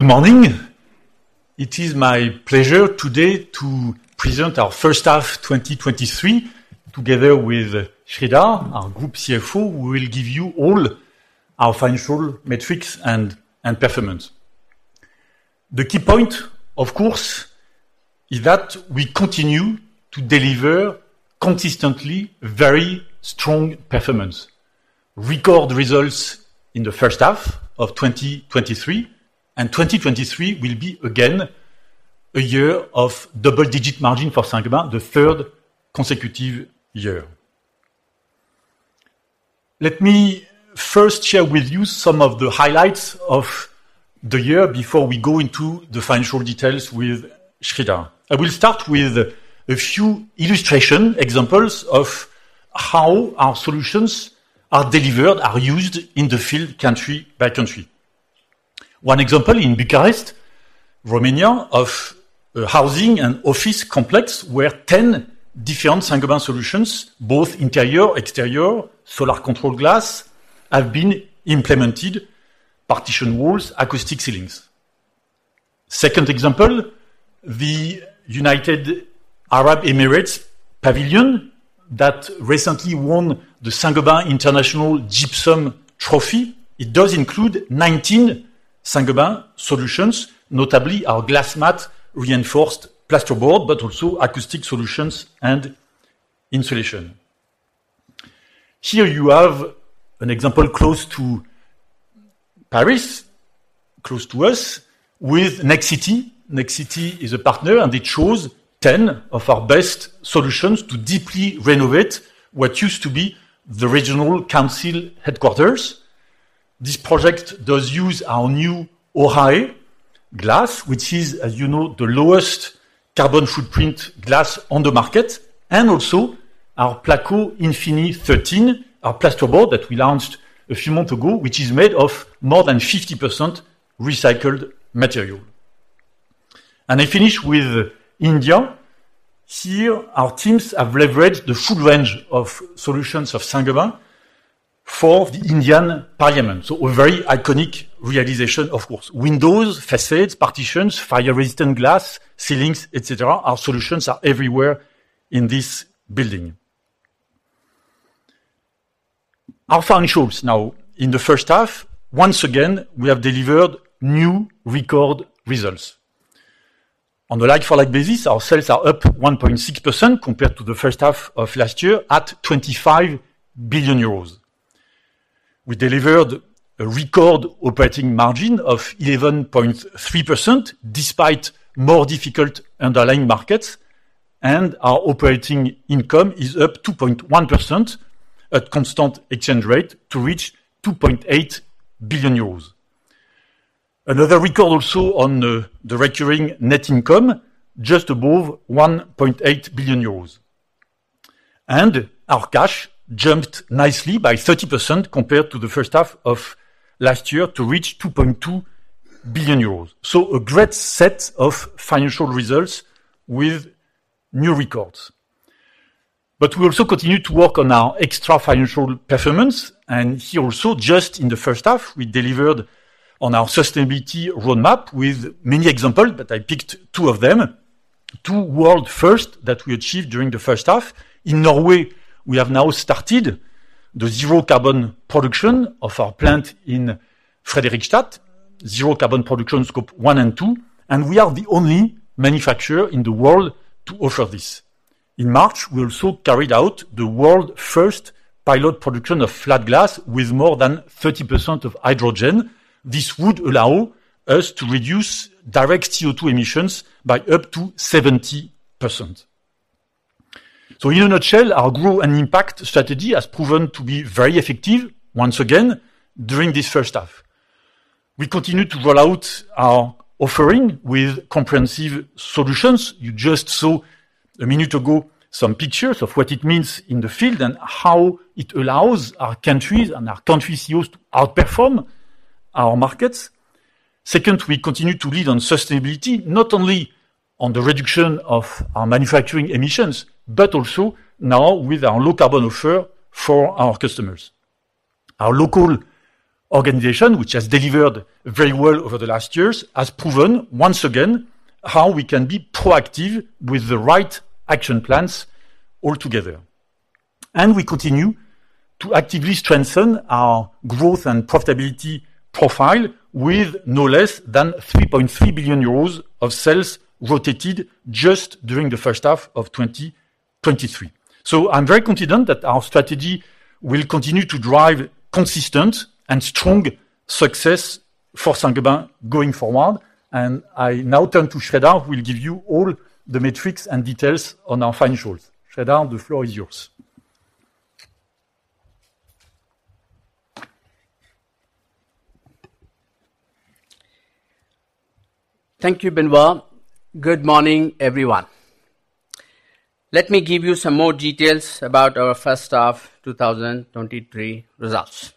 Good morning! It is my pleasure today to present our first half 2023, together with Sreedhar, our Group CFO, we will give you all our financial metrics and performance. The key point, of course, is that we continue to deliver consistently very strong performance. Record results in the first half of 2023, and 2023 will be again, a year of double-digit margin for Saint-Gobain, the third consecutive year. Let me first share with you some of the highlights of the year before we go into the financial details with Sreedhar. I will start with a few illustration, examples of how our solutions are delivered, are used in the field, country-by-country. One example in Bucharest, Romania, of a housing and office complex, where 10 different Saint-Gobain solutions, both interior, exterior, solar control glass, have been implemented, partition walls, acoustic ceilings. Second example, the United Arab Emirates Pavilion, that recently won the Saint-Gobain Gypsum International Trophy. It does include 19 Saint-Gobain solutions, notably our glass mat, reinforced plasterboard, but also acoustic solutions and insulation. Here you have an example close to Paris, close to us, with Nexity. Nexity is a partner, and it chose 10 of our best solutions to deeply renovate what used to be the regional council headquarters. This project does use our new ORAÉ glass, which is, as you know, the lowest carbon footprint glass on the market, and also our Placo Infinaé 13, our plasterboard that we launched a few months ago, which is made of more than 50% recycled material. I finish with India. Here, our teams have leveraged the full range of solutions of Saint-Gobain for the Indian Parliament, so a very iconic realization, of course. Windows, facades, partitions, fire-resistant glass, ceilings, et cetera. Our solutions are everywhere in this building. Our financials now. In the first half, once again, we have delivered new record results. On the like-for-like basis, our sales are up 1.6% compared to the first half of last year at 25 billion euros. We delivered a record operating margin of 11.3%, despite more difficult underlying markets, and our operating income is up 2.1% at constant exchange rate to reach 2.8 billion euros. Another record also on the recurring net income, just above 1.8 billion euros. Our cash jumped nicely by 30% compared to the first half of last year to reach 2.2 billion euros. A great set of financial results with new records. We also continued to work on our extra-financial performance, and here also, just in the first half, we delivered on our sustainability roadmap with many examples, but I picked two of them, two world-first that we achieved during the first half. In Norway, we have now started the zero-carbon production of our plant in Fredrikstad, zero-carbon production Scope 1 and 2, and we are the only manufacturer in the world to offer this. In March, we also carried out the world-first pilot production of flat glass with more than 30% of hydrogen. This would allow us to reduce direct CO₂ emissions by up to 70%. In a nutshell, our Grow & Impact strategy has proven to be very effective once again during this first half. We continue to roll out our offering with comprehensive solutions. You just saw a minute ago some pictures of what it means in the field and how it allows our countries and our country's use to outperform our markets. Second, we continue to lead on sustainability, not only on the reduction of our manufacturing emissions, but also now with our low carbon offer for our customers. Our local organization, which has delivered very well over the last years, has proven once again, how we can be proactive with the right action plans altogether. We continue to actively strengthen our growth and profitability profile with no less than 3.3 billion euros of sales rotated just during the first half of 2023. I'm very confident that our strategy will continue to drive consistent and strong success for Saint-Gobain going forward, and I now turn to Sreedhar, who will give you all the metrics and details on our financials. Sreedhar, the floor is yours. Thank you, Benoit. Good morning, everyone. Let me give you some more details about our first half 2023 results.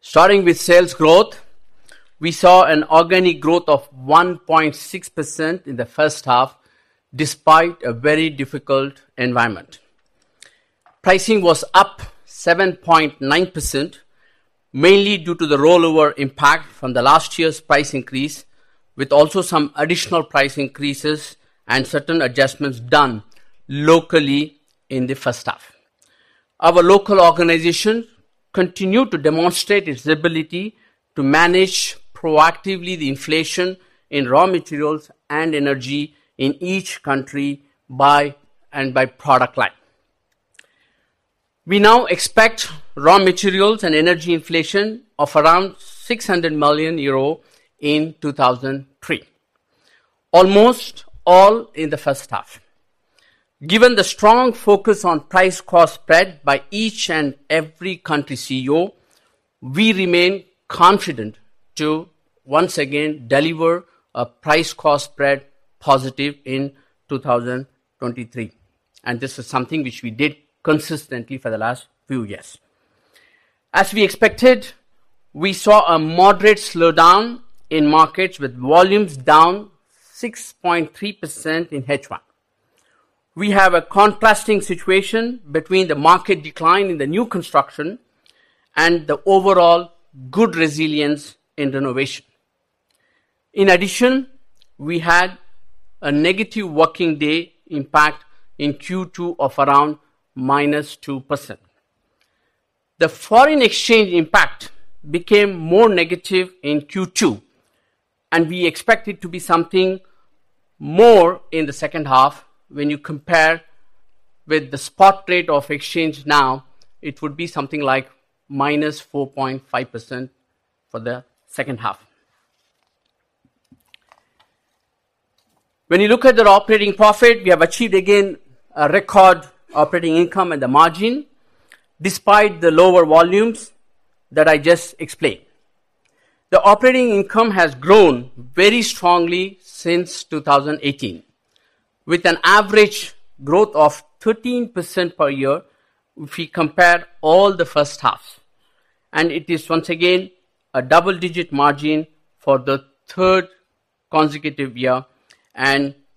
Starting with sales growth, we saw an organic growth of 1.6% in the first half, despite a very difficult environment. Pricing was up 7.9%, mainly due to the rollover impact from the last year's price increase, with also some additional price increases and certain adjustments done locally in the first half. Our local organization continued to demonstrate its ability to manage proactively the inflation in raw materials and energy in each country by product line. We now expect raw materials and energy inflation of around 600 million euro in 2003, almost all in the first half. Given the strong focus on price cost spread by each and every country CEO, we remain confident to once again deliver a price cost spread positive in 2023. This is something which we did consistently for the last few years. As we expected, we saw a moderate slowdown in markets, with volumes down 6.3% in H1. We have a contrasting situation between the market decline in the new construction and the overall good resilience in renovation. In addition, we had a negative working day impact in Q2 of around -2%. The foreign exchange impact became more negative in Q2. We expect it to be something more in the second half. When you compare with the spot rate of exchange now, it would be something like -4.5% for the second half. When you look at the operating profit, we have achieved again, a record operating income and the margin, despite the lower volumes that I just explained. The operating income has grown very strongly since 2018, with an average growth of 13% per year if we compare all the first halves. It is once again a double-digit margin for the third consecutive year.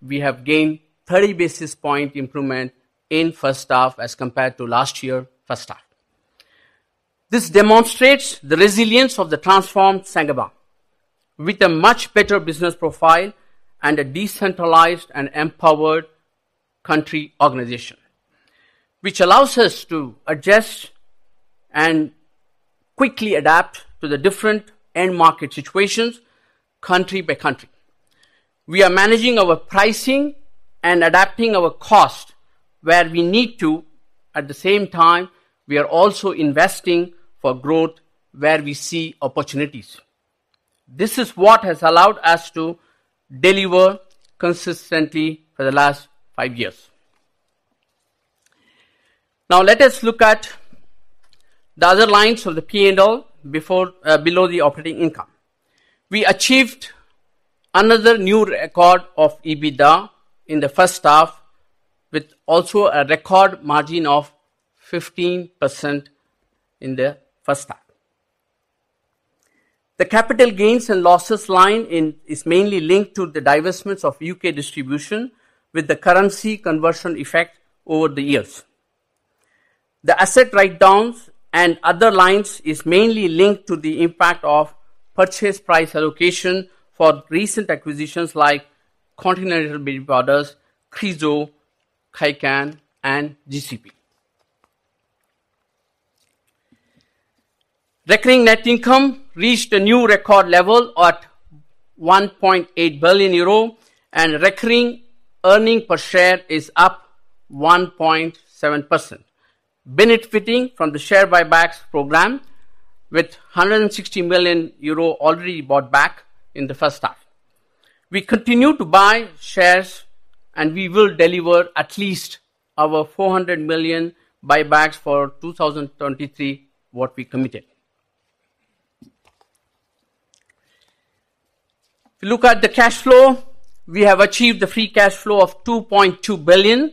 We have gained 30 basis point improvement in first half as compared to last year, first half. This demonstrates the resilience of the transformed Saint-Gobain, with a much better business profile and a decentralized and empowered country organization, which allows us to adjust and quickly adapt to the different end market situations country by country. We are managing our pricing and adapting our cost where we need to. At the same time, we are also investing for growth where we see opportunities. This is what has allowed us to deliver consistently for the last five years. Let us look at the other lines of the PNL below the operating income. We achieved another new record of EBITDA in the first half, with also a record margin of 15% in the first half. The capital gains and losses line is mainly linked to the divestments of U.K. distribution, with the currency conversion effect over the years. The asset write-downs and other lines is mainly linked to the impact of purchase price allocation for recent acquisitions like Continental Building Products, Chryso, Kaycan, and GCP. Recurring net income reached a new record level at 1.8 billion euro, and recurring earning per share is up 1.7%, benefiting from the share buybacks program with 160 million euro already bought back in the first half. We continue to buy shares. We will deliver at least our 400 million buybacks for 2023, what we committed. If you look at the cash flow, we have achieved the free cash flow of 2.2 billion.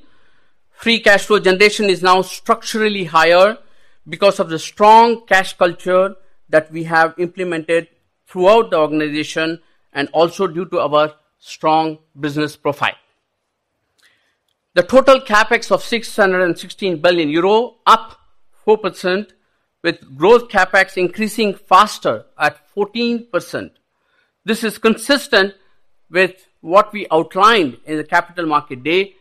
Free cash flow generation is now structurally higher because of the strong cash culture that we have implemented throughout the organization and also due to our strong business profile. The total CapEx of 616 billion euro, up 4%, with growth CapEx increasing faster at 14%. This is consistent with what we outlined in the Capital Markets Day.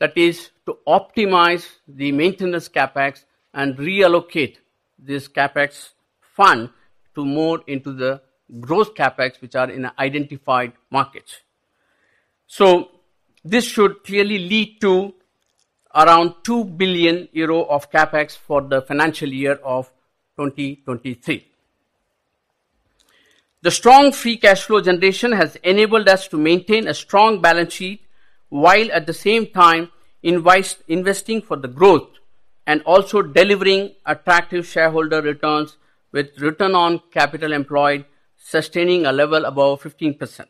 That is, to optimize the maintenance CapEx and reallocate this CapEx fund to more into the growth CapEx, which are in identified markets. This should clearly lead to around 2 billion euro of CapEx for the financial year of 2023. The strong free cash flow generation has enabled us to maintain a strong balance sheet, while at the same time, investing for the growth and also delivering attractive shareholder returns, with return on capital employed, sustaining a level above 15%.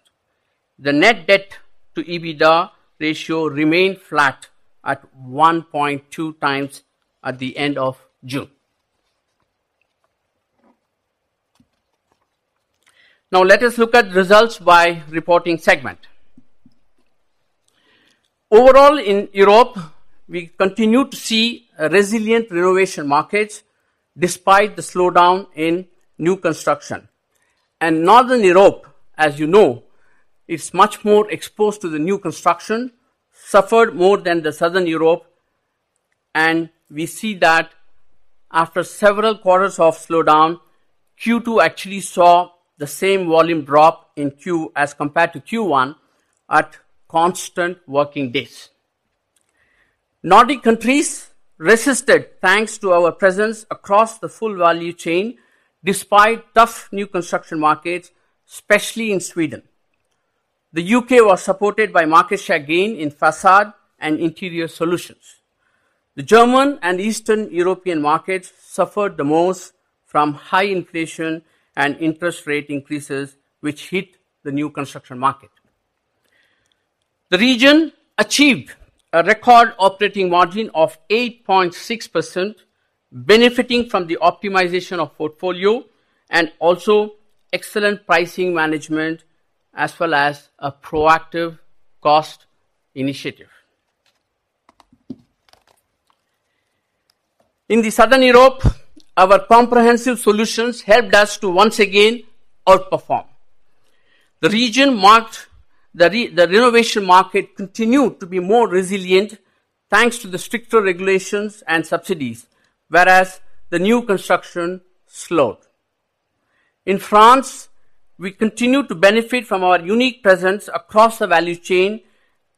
The net debt to EBITDA ratio remained flat at 1.2 times at the end of June. Let us look at results by reporting segment. Overall, in Europe, we continue to see a resilient renovation markets despite the slowdown in new construction. Northern Europe, as you know, is much more exposed to the new construction, suffered more than the Southern Europe, and we see that after several quarters of slowdown, Q2 actually saw the same volume drop in Q as compared to Q1 at constant working days. Nordic countries resisted, thanks to our presence across the full value chain, despite tough new construction markets, especially in Sweden. The U.K. was supported by market share gain in facade and interior solutions. The German and Eastern European markets suffered the most from high inflation and interest rate increases, which hit the new construction market. The region achieved a record operating margin of 8.6%, benefiting from the optimization of portfolio and also excellent pricing management, as well as a proactive cost initiative. In the Southern Europe, our comprehensive solutions helped us to once again outperform. The region marked the renovation market continued to be more resilient, thanks to the stricter regulations and subsidies, whereas the new construction slowed. In France, we continue to benefit from our unique presence across the value chain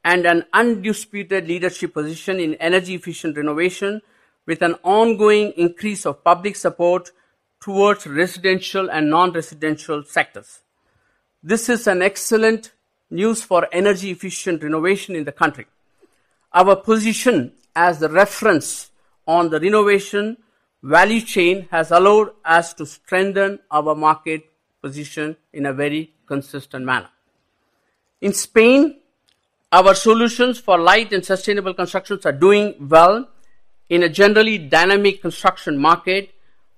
and an undisputed leadership position in energy-efficient renovation, with an ongoing increase of public support towards residential and non-residential sectors. This is an excellent news for energy-efficient renovation in the country. Our position as the reference on the renovation value chain has allowed us to strengthen our market position in a very consistent manner. In Spain, our solutions for light and sustainable constructions are doing well in a generally dynamic construction market,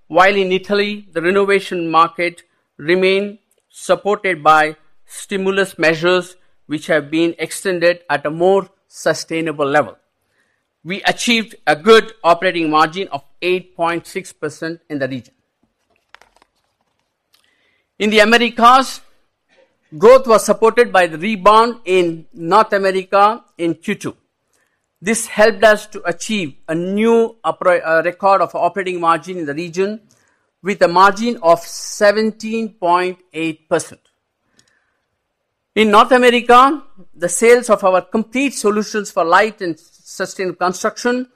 while in Italy, the renovation market remained supported by stimulus measures, which have been extended at a more sustainable level. We achieved a good operating margin of 8.6% in the region. In the Americas, growth was supported by the rebound in North America in Q2. This helped us to achieve a new opera record of operating margin in the region with a margin of 17.8%. In North America, the sales of our complete solutions for light and sustainable construction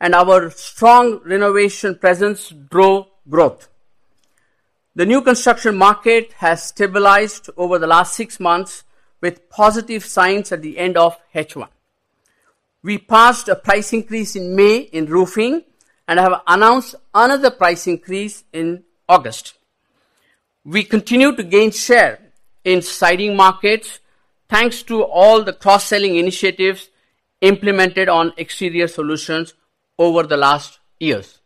and our strong renovation presence drove growth. The new construction market has stabilized over the last six months, with positive signs at the end of H1. We passed a price increase in May in roofing and have announced another price increase in August. We continue to gain share in siding markets, thanks to all the cross-selling initiatives implemented on exterior solutions over the last years.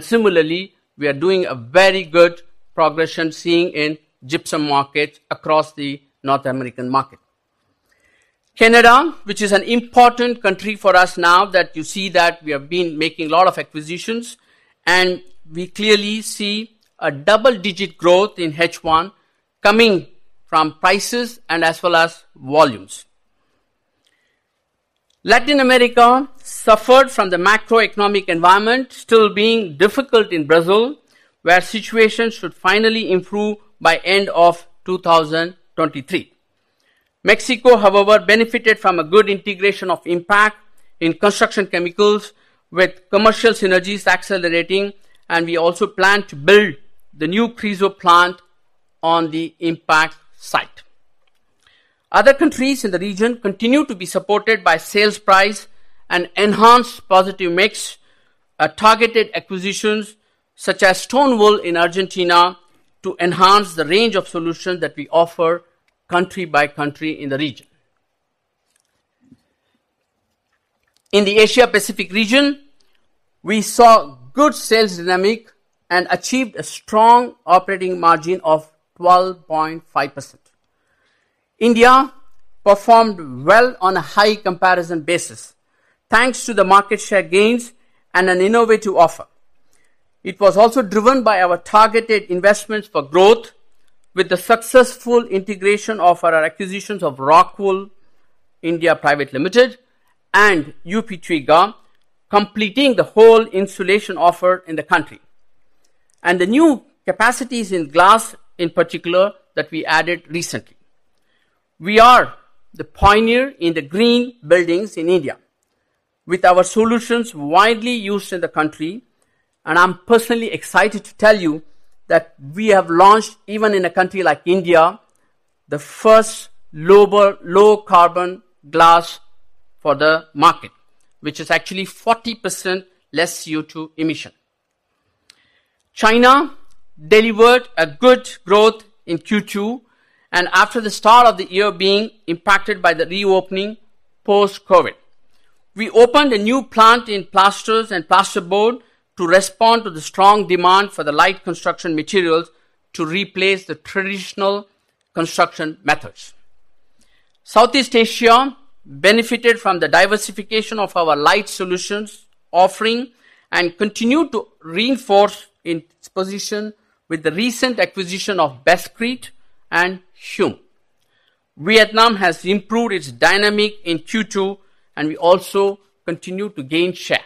Similarly, we are doing a very good progression, seeing in gypsum markets across the North American market. Canada, which is an important country for us now, that you see that we have been making a lot of acquisitions, and we clearly see a double-digit growth in H1 coming from prices and as well as volumes. Latin America suffered from the macroeconomic environment still being difficult in Brazil, where situations should finally improve by end of 2023. Mexico, however, benefited from a good integration of IMPAC in construction chemicals, with commercial synergies accelerating, and we also plan to build the new Prismo plant on the IMPAC site. Other countries in the region continue to be supported by sales price and enhanced positive mix, targeted acquisitions, such as Stoneway in Argentina, to enhance the range of solutions that we offer country by country in the region. In the Asia Pacific region, we saw good sales dynamic and achieved a strong operating margin of 12.5%. India performed well on a high comparison basis, thanks to the market share gains and an innovative offer. It was also driven by our targeted investments for growth, with the successful integration of our acquisitions of Rockwool India Private Limited and U.P. Twiga, completing the whole insulation offer in the country, and the new capacities in glass, in particular, that we added recently. We are the pioneer in the green buildings in India, with our solutions widely used in the country, and I'm personally excited to tell you that we have launched, even in a country like India, the first global low carbon glass for the market, which is actually 40% less CO2 emission. China delivered a good growth in Q2, after the start of the year being impacted by the reopening post-COVID. We opened a new plant in plasters and plasterboard to respond to the strong demand for the light construction materials to replace the traditional construction methods. Southeast Asia benefited from the diversification of our light solutions offering, and continued to reinforce its position with the recent acquisition of Basf Crete and Hume. Vietnam has improved its dynamic in Q2, and we also continue to gain share.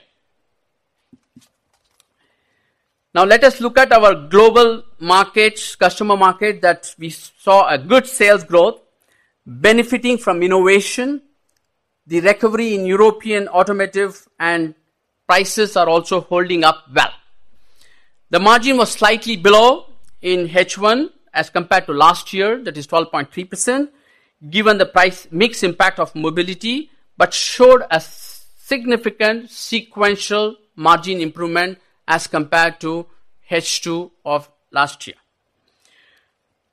Let us look at our global markets, customer market, that we saw a good sales growth benefiting from innovation, the recovery in European automotive, and prices are also holding up well. The margin was slightly below in H1 as compared to last year, that is 12.3%, given the price mix impact of mobility. Showed a significant sequential margin improvement as compared to H2 of last year.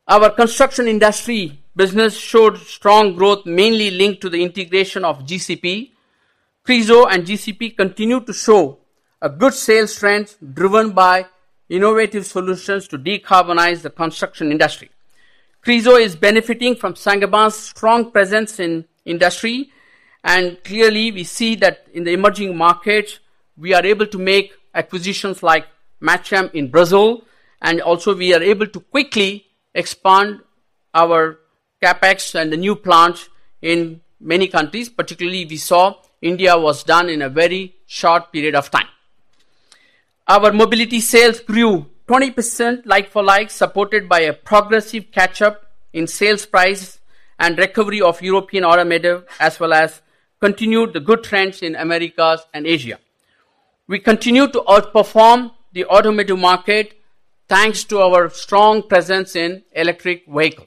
Our construction industry business showed strong growth, mainly linked to the integration of GCP. Chryso and GCP continue to show a good sales strength, driven by innovative solutions to decarbonize the construction industry. Chryso is benefiting from Saint-Gobain's strong presence in industry. Clearly, we see that in the emerging markets, we are able to make acquisitions like Matchem in Brazil. Also, we are able to quickly expand our CapEx and the new plants in many countries. Particularly, we saw India was done in a very short period of time. Our mobility sales grew 20% like for like, supported by a progressive catch-up in sales price and recovery of European automotive, as well as continued the good trends in Americas and Asia. We continue to outperform the automotive market, thanks to our strong presence in electric vehicle.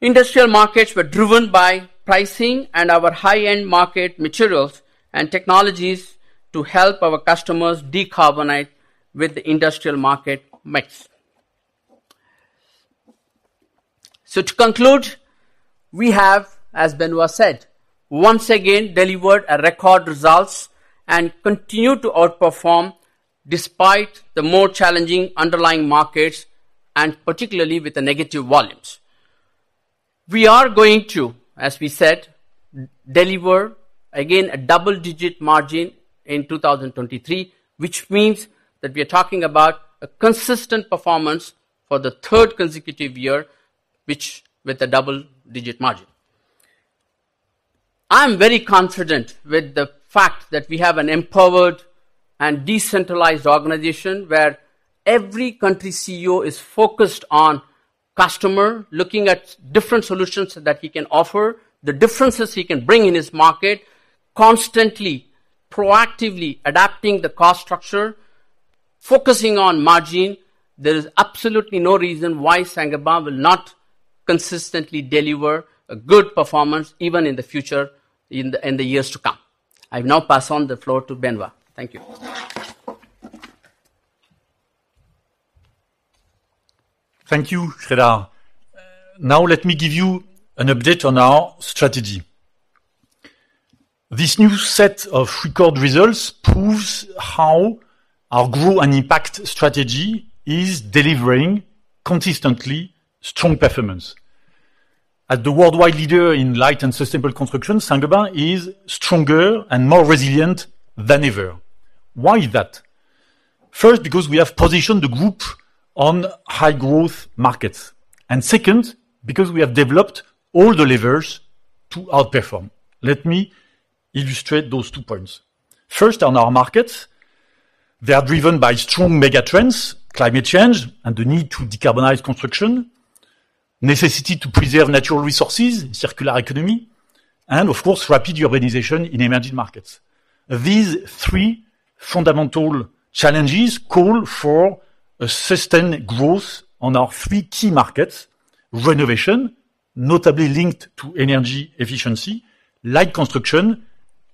Industrial markets were driven by pricing and our high-end market materials and technologies to help our customers decarbonize with the industrial market mix. To conclude, we have, as Benoit said, once again delivered a record results and continue to outperform despite the more challenging underlying markets, and particularly with the negative volumes. We are going to, as we said, deliver, again, a double-digit margin in 2023, which means that we are talking about a consistent performance for the third consecutive year, which with a double-digit margin. I'm very confident with the fact that we have an empowered and decentralized organization where every country CEO is focused on customer, looking at different solutions that he can offer, the differences he can bring in his market, constantly, proactively adapting the cost structure, focusing on margin. There is absolutely no reason why Saint-Gobain will not consistently deliver a good performance, even in the future, in the years to come. I will now pass on the floor to Benoit. Thank you. Thank you, Sreedhar. Let me give you an update on our strategy. This new set of record results proves how our Grow & Impact strategy is delivering consistently strong performance. As the worldwide leader in light and sustainable construction, Saint-Gobain is stronger and more resilient than ever. Why is that? First, because we have positioned the group on high-growth markets, and second, because we have developed all the levers to outperform. Let me illustrate those two points. First, on our markets, they are driven by strong mega trends, climate change, and the need to decarbonize construction, necessity to preserve natural resources, circular economy, and of course, rapid urbanization in emerging markets. These three fundamental challenges call for a sustained growth on our three key markets: renovation, notably linked to energy efficiency, light construction,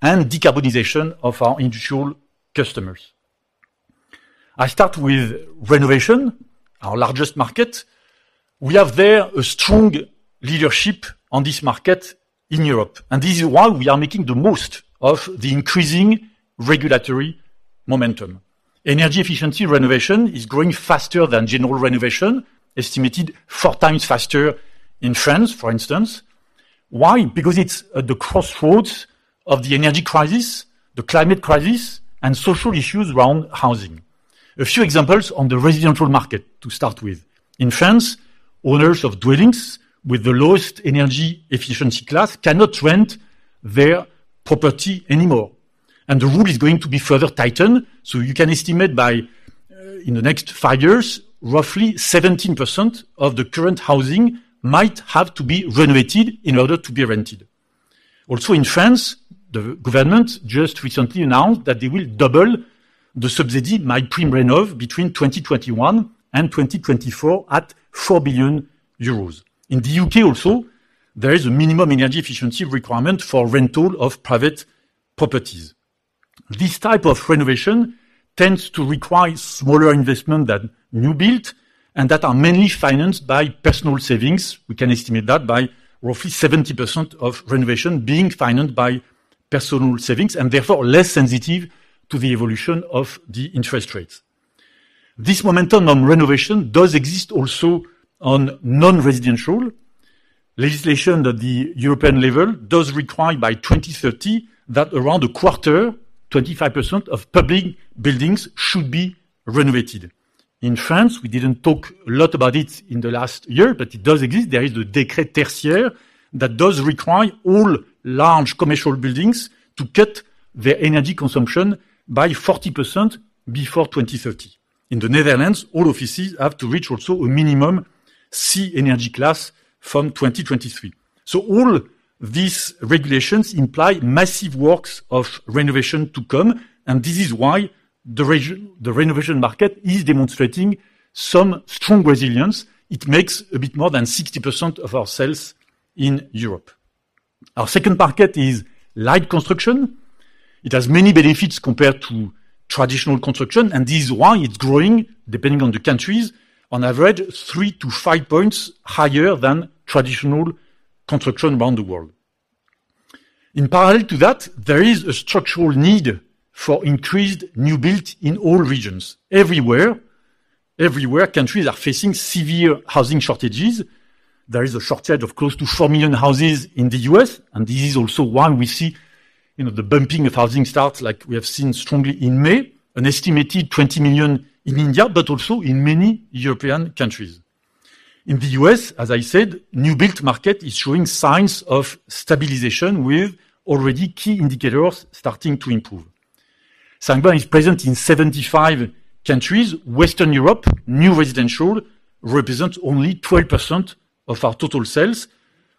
and decarbonization of our industrial customers. I start with renovation, our largest market. We have there a strong leadership on this market in Europe, and this is why we are making the most of the increasing regulatory momentum. Energy efficiency renovation is growing faster than general renovation, estimated four times faster in France, for instance. Why? Because it's at the crossroads of the energy crisis, the climate crisis, and social issues around housing. A few examples on the residential market to start with. In France, owners of dwellings with the lowest energy efficiency class cannot rent their property anymore, and the rule is going to be further tightened, so you can estimate by in the next four years, roughly 17% of the current housing might have to be renovated in order to be rented. Also, in France, the government just recently announced that they will double the subsidy, MaPrimeRénov', between 2021 and 2024 at 4 billion euros. In the U.K. also, there is a minimum energy efficiency requirement for rental of private properties. This type of renovation tends to require smaller investment than new build, and that are mainly financed by personal savings. We can estimate that by roughly 70% of renovation being financed by personal savings, and therefore, less sensitive to the evolution of the interest rates. This momentum on renovation does exist also on non-residential. Legislation at the European level does require by 2030, that around a quarter, 25% of public buildings should be renovated. In France, we didn't talk a lot about it in the last year, but it does exist. There is a Décret Tertiaire that does require all large commercial buildings to cut their energy consumption by 40% before 2030. In the Netherlands, all offices have to reach also a minimum C energy class from 2023. All these regulations imply massive works of renovation to come, and this is why the renovation market is demonstrating some strong resilience. It makes a bit more than 60% of our sales in Europe. Our second market is light construction. It has many benefits compared to traditional construction, and this is why it's growing, depending on the countries, on average, 3-5 points higher than traditional construction around the world. In parallel to that, there is a structural need for increased new build in all regions. Everywhere, countries are facing severe housing shortages. There is a shortage of close to 4 million houses in the U.S., and this is also why we see, you know, the bumping of housing starts like we have seen strongly in May, an estimated 20 million in India, but also in many European countries. In the U.S., as I said, new built market is showing signs of stabilization, with already key indicators starting to improve. Saint-Gobain is present in 75 countries. Western Europe, new residential represents only 12% of our total sales,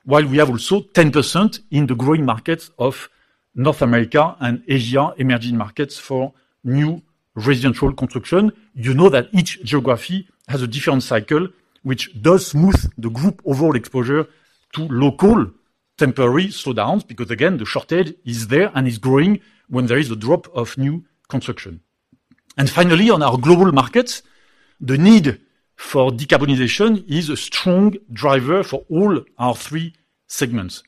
while we have also 10% in the growing markets of North America and Asia, emerging markets for new residential construction. You know that each geography has a different cycle, which does smooth the group overall exposure to local temporary slowdowns, because again, the shortage is there and is growing when there is a drop of new construction. Finally, on our global markets, the need for decarbonization is a strong driver for all our three segments.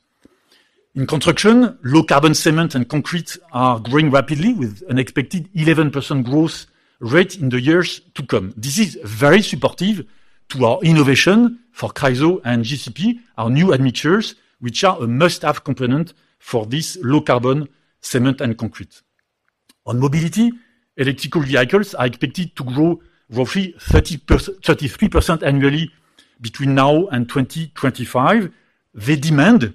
In construction, low-carbon cement and concrete are growing rapidly, with an expected 11% growth rate in the years to come. This is very supportive to our innovation for Chryso and GCP, our new admixtures, which are a must-have component for this low-carbon cement and concrete. On mobility, electrical vehicles are expected to grow roughly 33% annually between now and 2025. They demand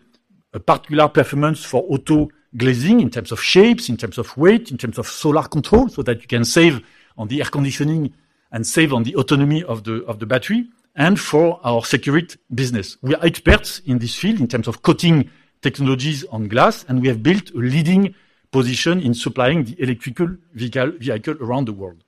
a particular performance for auto glazing in terms of shapes, in terms of weight, in terms of solar control, so that you can save on the air conditioning and save on the autonomy of the battery, and for our security business. We are experts in this field in terms of coating technologies on glass, we have built a leading position in supplying the electrical vehicle around the world.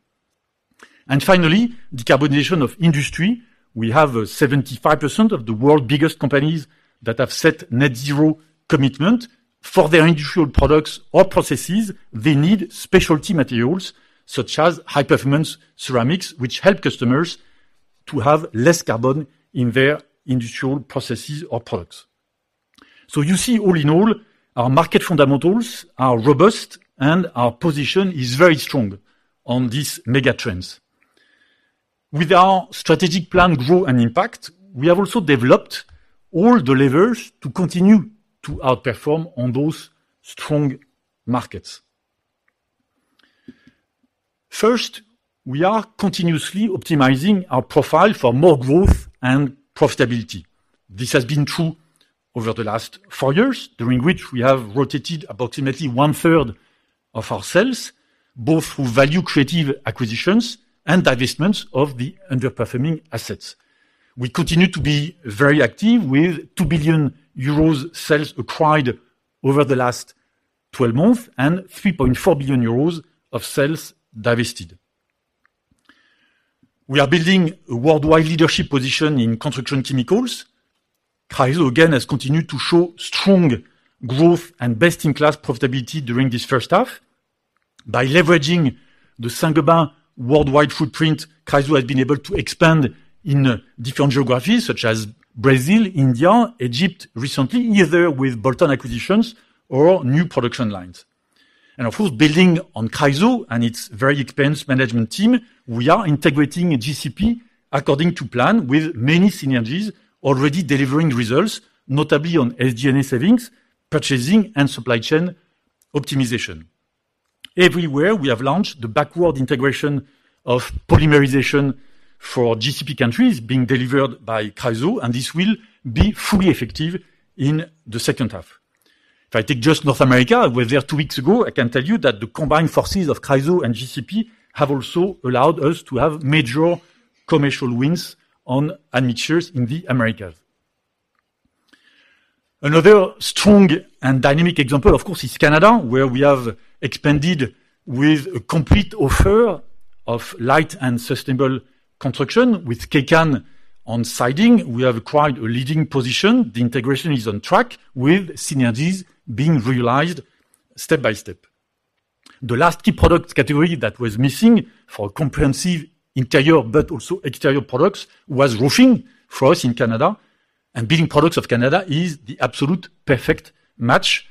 Finally, decarbonization of industry. We have 75% of the world's biggest companies that have set net zero commitment. For their industrial products or processes, they need specialty materials such as high-performance ceramics, which help customers to have less carbon in their industrial processes or products. You see, all in all, our market fundamentals are robust, and our position is very strong on these mega trends. With our strategic plan, Grow & Impact, we have also developed all the levers to continue to outperform on those strong markets. First, we are continuously optimizing our profile for more growth and profitability. This has been true over the last four years, during which we have rotated approximately 1/3 of our sales, both through value-creative acquisitions and divestments of the underperforming assets. We continue to be very active with 2 billion euros sales acquired over the last 12 months and 3.4 billion euros of sales divested. We are building a worldwide leadership position in construction chemicals. Chryso again, has continued to show strong growth and best-in-class profitability during this first half. By leveraging the Saint-Gobain worldwide footprint, Chryso has been able to expand in different geographies such as Brazil, India, Egypt, recently, either with Bolton acquisitions or new production lines. Of course, building on Chryso and its very experienced management team, we are integrating GCP according to plan with many synergies, already delivering results, notably on SG&A savings, purchasing, and supply chain optimization. Everywhere we have launched the backward integration of polymerization for GCP countries being delivered by Chryso, this will be fully effective in the second half. If I take just North America, I was there two weeks ago, I can tell you that the combined forces of Chryso and GCP have also allowed us to have major commercial wins on admixtures in the Americas. Another strong and dynamic example, of course, is Canada, where we have expanded with a complete offer of light and sustainable construction with Kaycan on siding, we have acquired a leading position. The integration is on track with synergies being realized step by step. The last key product category that was missing for comprehensive interior, but also exterior products, was roofing for us in Canada. Building Products of Canada is the absolute perfect match.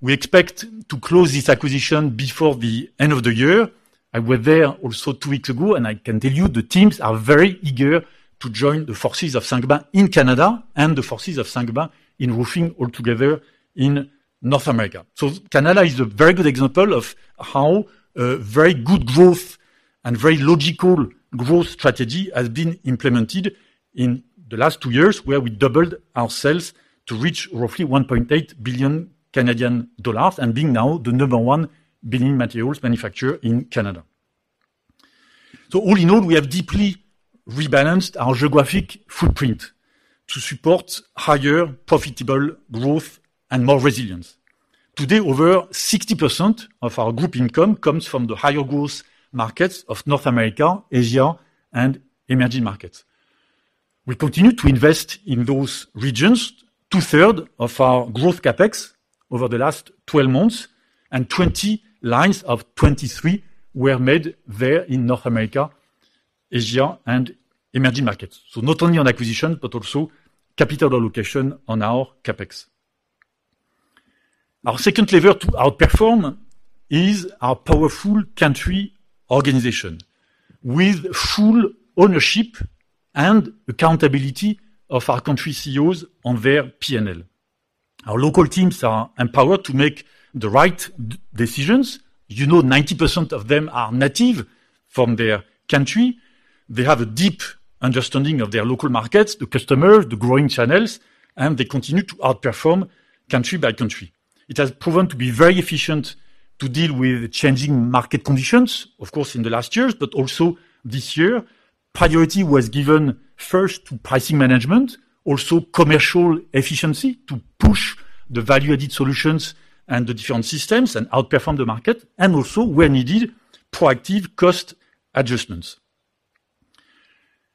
We expect to close this acquisition before the end of the year. I were there also two weeks ago. I can tell you the teams are very eager to join the forces of Saint-Gobain in Canada and the forces of Saint-Gobain in roofing all together in North America. Canada is a very good example of how very good growth and very logical growth strategy has been implemented in the last two years, where we doubled our sales to reach roughly 1.8 billion Canadian dollars and being now the number one building materials manufacturer in Canada. All in all, we have deeply rebalanced our geographic footprint to support higher profitable growth and more resilience. Today, over 60% of our group income comes from the higher growth markets of North America, Asia, and emerging markets. We continue to invest in those regions. Two-third of our growth CapEx over the last 12 months and 20 lines of 23 were made there in North America, Asia and emerging markets. Not only on acquisition, but also capital allocation on our CapEx. Our second lever to outperform is our powerful country organization, with full ownership and accountability of our country CEOs on their PNL. Our local teams are empowered to make the right decisions. You know, 90% of them are native from their country. They have a deep understanding of their local markets, the customer, the growing channels, and they continue to outperform country by country. It has proven to be very efficient to deal with changing market conditions, of course, in the last years, but also this year. Priority was given first to pricing management, also commercial efficiency, to push the value-added solutions and the different systems and outperform the market, and also, where needed, proactive cost adjustments.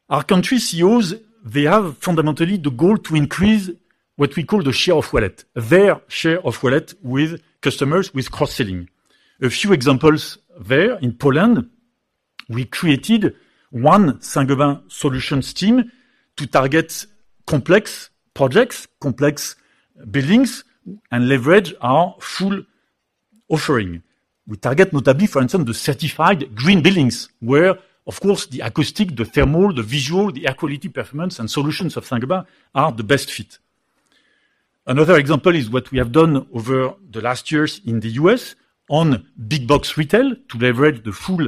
Our country CEOs, they have fundamentally the goal to increase what we call the share of wallet, their share of wallet with customers with cross-selling. A few examples there. In Poland, we created one Saint-Gobain solutions team to target complex projects, complex buildings, and leverage our full offering. We target, notably, for instance, the certified green buildings, where, of course, the acoustic, the thermal, the visual, the air quality, performance and solutions of Saint-Gobain are the best fit. Another example is what we have done over the last years in the U.S. on big box retail to leverage the full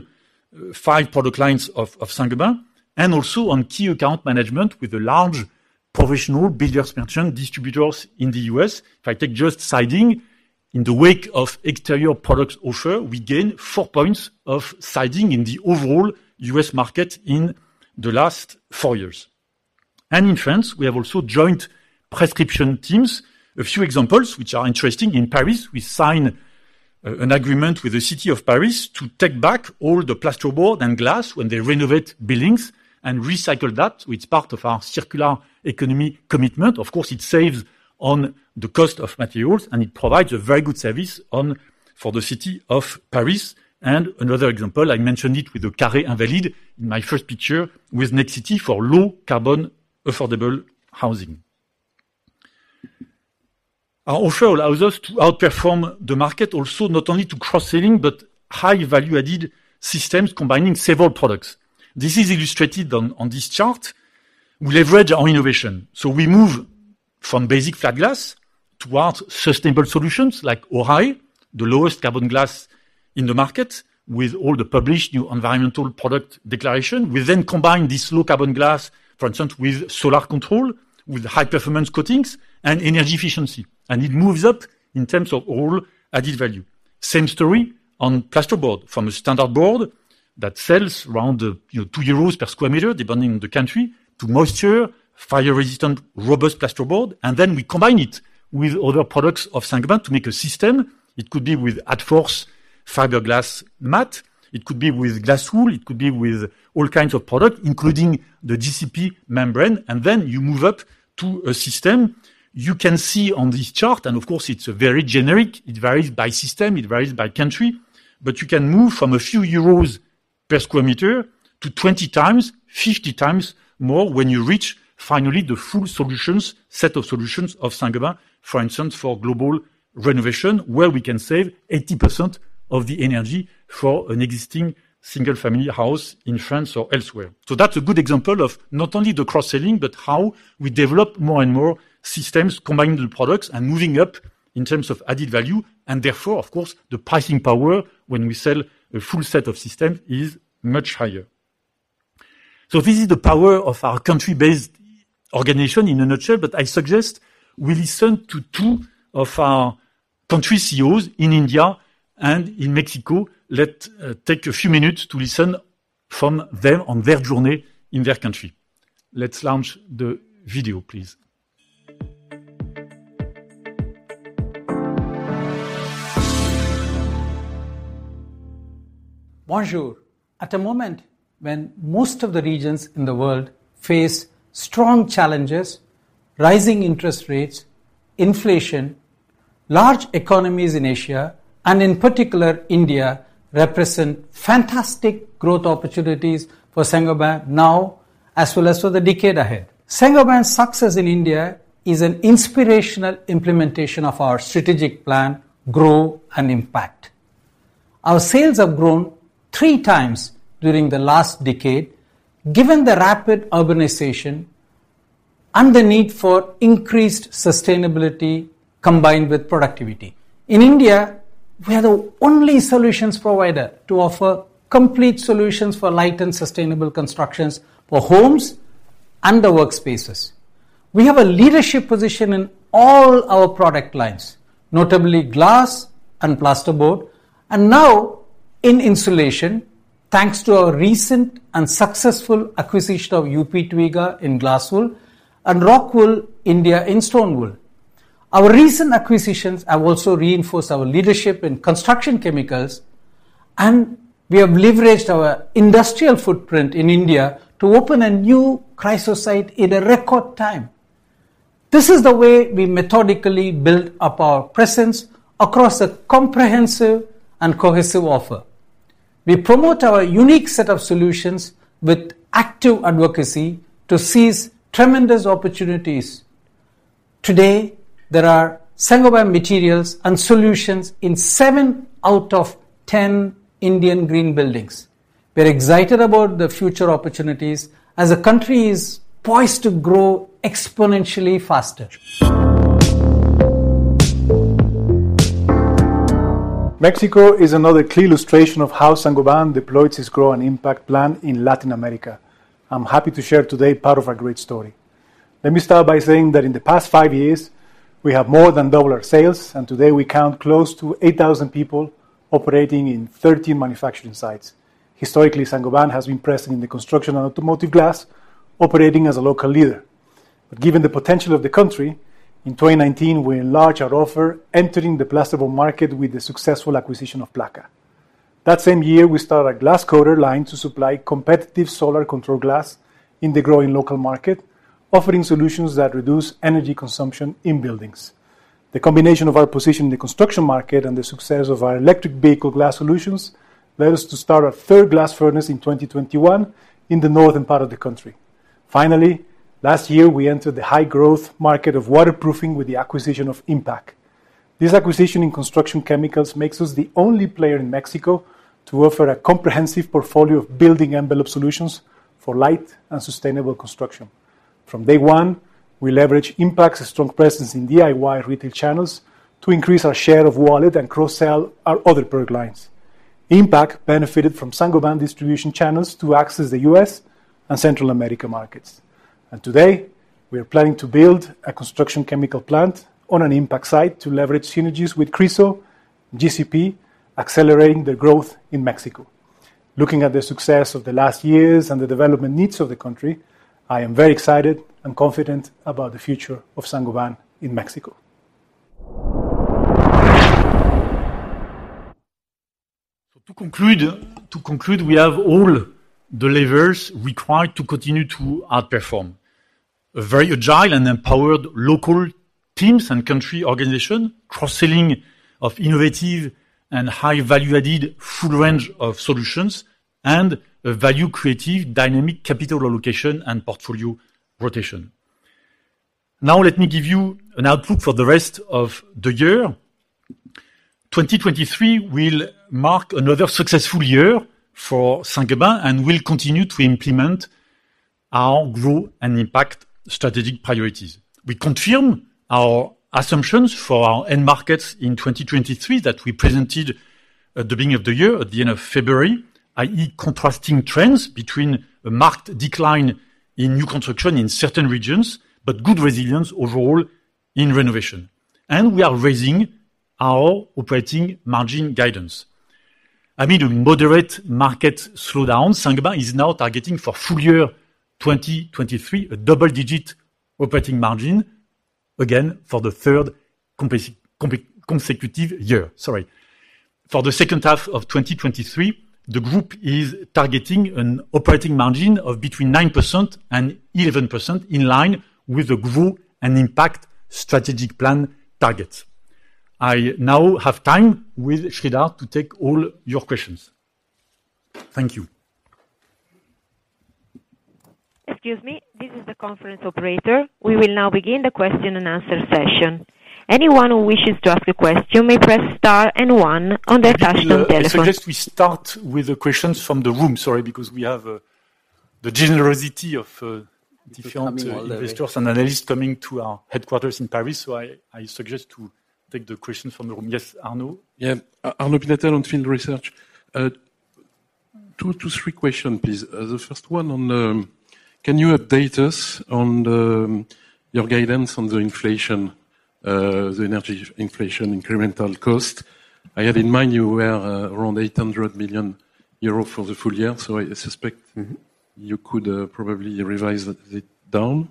five product lines of Saint-Gobain, and also on key account management with the large professional builder merchant distributors in the U.S.. If I take just siding, in the wake of exterior products offer, we gain four points of siding in the overall U.S. market in the last four years. In France, we have also joint prescription teams. A few examples which are interesting: in Paris, we sign an agreement with the City of Paris to take back all the plasterboard and glass when they renovate buildings and recycle that. It's part of our circular economy commitment. Of course, it saves on the cost of materials, it provides a very good service for the City of Paris. Another example, I mentioned it with the Carré Invalides in my first picture, with Nexity for low-carbon, affordable housing. Our offer allows us to outperform the market, also not only to cross-selling, but high value-added systems combining several products. This is illustrated on this chart. We leverage our innovation, we move from basic flat glass towards sustainable solutions like ORAÉ, the lowest carbon glass in the market, with all the published new Environmental Product Declaration. We then combine this low-carbon glass, for instance, with solar control, with high-performance coatings and energy efficiency, and it moves up in terms of all added value. Same story on plasterboard. From a standard board that sells around, 2 euros per square meter, depending on the country, to moisture, fire-resistant, robust plasterboard. We combine it with other products of Saint-Gobain to make a system. It could be with ADFORS fiberglass mat, it could be with glass wool, it could be with all kinds of products, including the GCP membrane, and then you move up to a system. You can see on this chart, and of course, it's very generic, it varies by system, it varies by country, but you can move from a few euros per square meter to 20 times, 50 times more when you reach finally the full solutions, set of solutions of Saint-Gobain. For instance, for global renovation, where we can save 80% of the energy for an existing single-family house in France or elsewhere. That's a good example of not only the cross-selling, but how we develop more and more systems, combining the products and moving up in terms of added value, and therefore, of course, the pricing power when we sell a full set of system is much higher. This is the power of our country-based organization in a nutshell, but I suggest we listen to two of our country CEOs in India and in Mexico. Let take a few minutes to listen from them on their journey in their country. Let's launch the video, please. Bonjour! At a moment when most of the regions in the world face strong challenges, rising interest rates, inflation, large economies in Asia, and in particular India, represent fantastic growth opportunities for Saint-Gobain now as well as for the decade ahead. Saint-Gobain's success in India is an inspirational implementation of our strategic plan, Grow & Impact. Our sales have grown 3 times during the last decade, given the rapid urbanization and the need for increased sustainability combined with productivity. In India, we are the only solutions provider to offer complete solutions for light and sustainable constructions for homes and the workspaces. We have a leadership position in all our product lines, notably glass and plasterboard, and now in insulation, thanks to our recent and successful acquisition of U.P. Twiga in glass wool and Rockwool India in stone wool. Our recent acquisitions have also reinforced our leadership in construction chemicals, and we have leveraged our industrial footprint in India to open a new Chryso site in a record time. This is the way we methodically build up our presence across a comprehensive and cohesive offer. We promote our unique set of solutions with active advocacy to seize tremendous opportunities. Today, there are Saint-Gobain materials and solutions in seven out of ten Indian green buildings. We're excited about the future opportunities as the country is poised to grow exponentially faster. Mexico is another clear illustration of how Saint-Gobain deploys its Grow & Impact plan in Latin America. I'm happy to share today part of our great story. Let me start by saying that in the past 5 years, we have more than doubled our sales, and today we count close to 8,000 people operating in 13 manufacturing sites. Historically, Saint-Gobain has been present in the construction and automotive glass, operating as a local leader. Given the potential of the country, in 2019, we enlarged our offer, entering the plasterboard market with the successful acquisition of Placo. That same year, we started a glass coater line to supply competitive solar control glass in the growing local market, offering solutions that reduce energy consumption in buildings. The combination of our position in the construction market and the success of our electric vehicle glass solutions led us to start our third glass furnace in 2021 in the northern part of the country. Finally, last year, we entered the high-growth market of waterproofing with the acquisition of IMPAC. This acquisition in construction chemicals makes us the only player in Mexico to offer a comprehensive portfolio of building envelope solutions for light and sustainable construction. From day one, we leveraged IMPAC's strong presence in DIY retail channels to increase our share of wallet and cross-sell our other product lines. IMPAC benefited from Saint-Gobain distribution channels to access the U.S. and Central America markets. Today, we are planning to build a construction chemical plant on an IMPAC site to leverage synergies with Chryso, GCP, accelerating the growth in Mexico. Looking at the success of the last years and the development needs of the country, I am very excited and confident about the future of Saint-Gobain in Mexico. To conclude, we have all the levers required to continue to outperform. A very agile and empowered local teams and country organization, cross-selling of innovative and high value-added full range of solutions, and a value-creative, dynamic capital allocation and portfolio rotation. Let me give you an outlook for the rest of the year. 2023 will mark another successful year for Saint-Gobain and will continue to implement our Grow & Impact strategic priorities. We confirm our assumptions for our end markets in 2023 that we presented at the beginning of the year, at the end of February, i.e., contrasting trends between a marked decline in new construction in certain regions, but good resilience overall in renovation. We are raising our operating margin guidance. Amid a moderate market slowdown, Saint-Gobain is now targeting for full year 2023, a double-digit operating margin again for the third consecutive year. Sorry. For the second half of 2023, the group is targeting an operating margin of between 9% and 11%, in line with the Grow & Impact strategic plan targets. I now have time with Sreedhar to take all your questions. Thank you. Excuse me, this is the conference operator. We will now begin the question-and-answer session. Anyone who wishes to ask a question may press star and one on their touchtone telephone. I suggest we start with the questions from the room. Sorry, because we have the generosity of different. investors and analysts coming to our headquarters in Paris. I suggest to take the question from the room. Yes, Arnaud? Yeah, Arnaud in Field Research. 2 to 3 question, please. The first one on, can you update us on your guidance on the inflation, the energy inflation incremental cost? I had in mind you were around 800 million euro for the full year. Mm-hmm.... you could probably revise it down.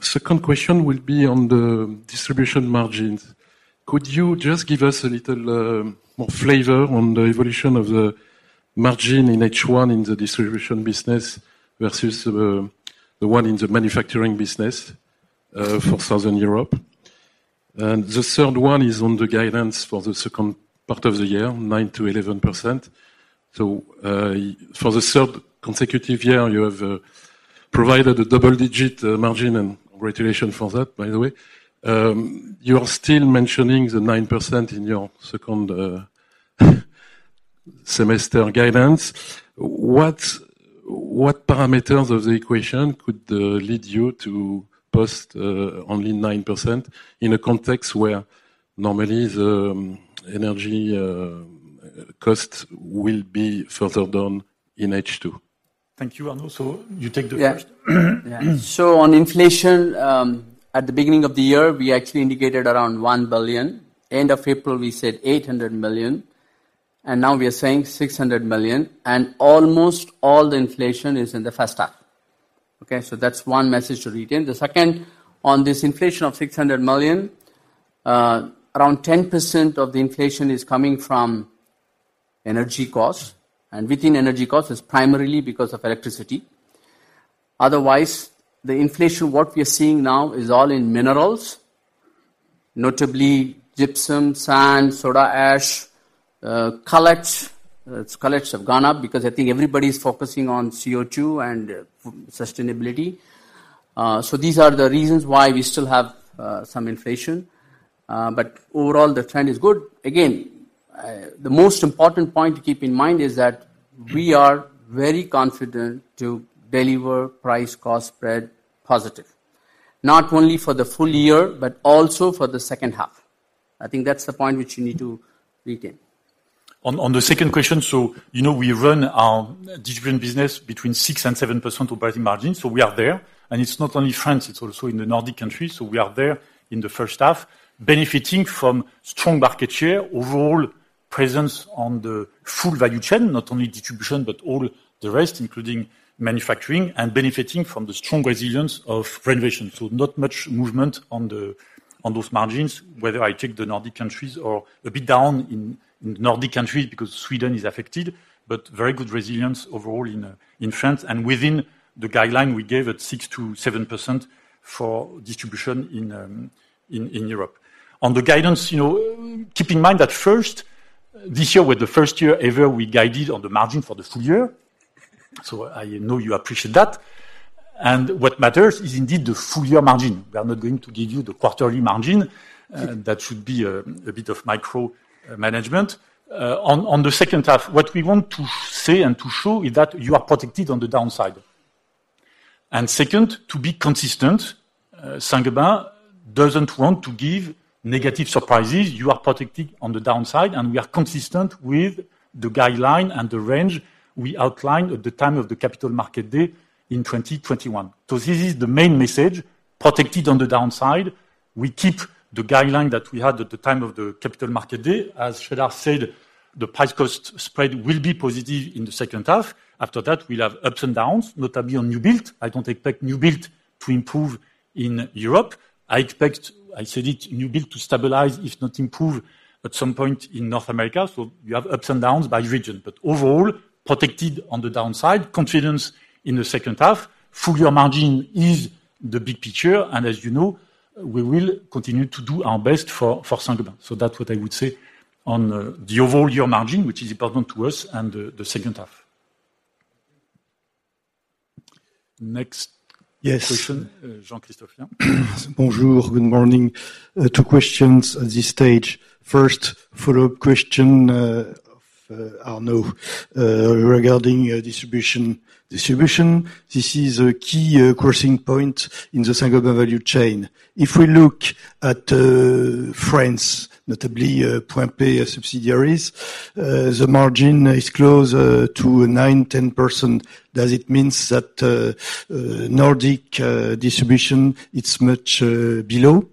Second question will be on the distribution margins. Could you just give us a little more flavor on the evolution of the margin in H1 in the distribution business versus the one in the manufacturing business for Southern Europe? The third one is on the guidance for the second part of the year, 9%-11%. For the third consecutive year, you have provided a double-digit margin, and congratulations for that, by the way. You are still mentioning the 9% in your second semester guidance. What parameters of the equation could lead you to post only 9% in a context where normally the energy costs will be further down in H2? Thank you, Arnaud. You take the first? Yeah. Yeah. On inflation, at the beginning of the year, we actually indicated around 1 billion. End of April, we said 800 million, and now we are saying 600 million, and almost all the inflation is in the first half. Okay, that's one message to retain. The second, on this inflation of 600 million, around 10% of the inflation is coming from energy costs, and within energy costs, it's primarily because of electricity. Otherwise, the inflation, what we are seeing now is all in minerals, notably gypsum, sand, soda ash, cullet. It's cullet have gone up because I think everybody's focusing on CO2 and sustainability. These are the reasons why we still have some inflation, but overall the trend is good. The most important point to keep in mind is that we are very confident to deliver price cost spread positive, not only for the full year, but also for the second half. I think that's the point which you need to retain. On the second question, you know, we run our distribution business between 6% and 7% operating margin, we are there. It's not only France, it's also in the Nordic countries, we are there in the first half, benefiting from strong market share, overall presence on the full value chain, not only distribution, but all the rest, including manufacturing and benefiting from the strong resilience of renovation. Not much movement on those margins, whether I take the Nordic countries or a bit down in the Nordic countries because Sweden is affected, but very good resilience overall in France and within the guideline we gave at 6% to 7% for distribution in Europe. On the guidance, you know, keep in mind that first, this year was the first year ever we guided on the margin for the full year, so I know you appreciate that. What matters is indeed the full year margin. We are not going to give you the quarterly margin, that should be a bit of micro management. On the second half, what we want to say and to show is that you are protected on the downside. Second, to be consistent, Saint-Gobain doesn't want to give negative surprises. You are protected on the downside, and we are consistent with the guideline and the range we outlined at the time of the Capital Markets Day in 2021. This is the main message: protected on the downside. We keep the guideline that we had at the time of the Capital Markets Day. As Sreedhar said, the price cost spread will be positive in the second half. After that, we'll have ups and downs, notably on new build. I don't expect new build to improve in Europe. I expect, I said it, new build to stabilize, if not improve, at some point in North America. We have ups and downs by region, but overall, protected on the downside, confidence in the second half. Full year margin is the big picture, as you know, we will continue to do our best for Saint-Gobain. That's what I would say on the overall year margin, which is important to us and the second half. Yes. Question, Jean-Christophe? Bonjour, good morning. 2 questions at this stage. First, follow-up question of Arnaud regarding distribution. Distribution, this is a key crossing point in the Saint-Gobain value chain. If we look at France, notably Point. P subsidiaries, the margin is close to 9%-10%. Does it means that Nordic distribution, it's much below?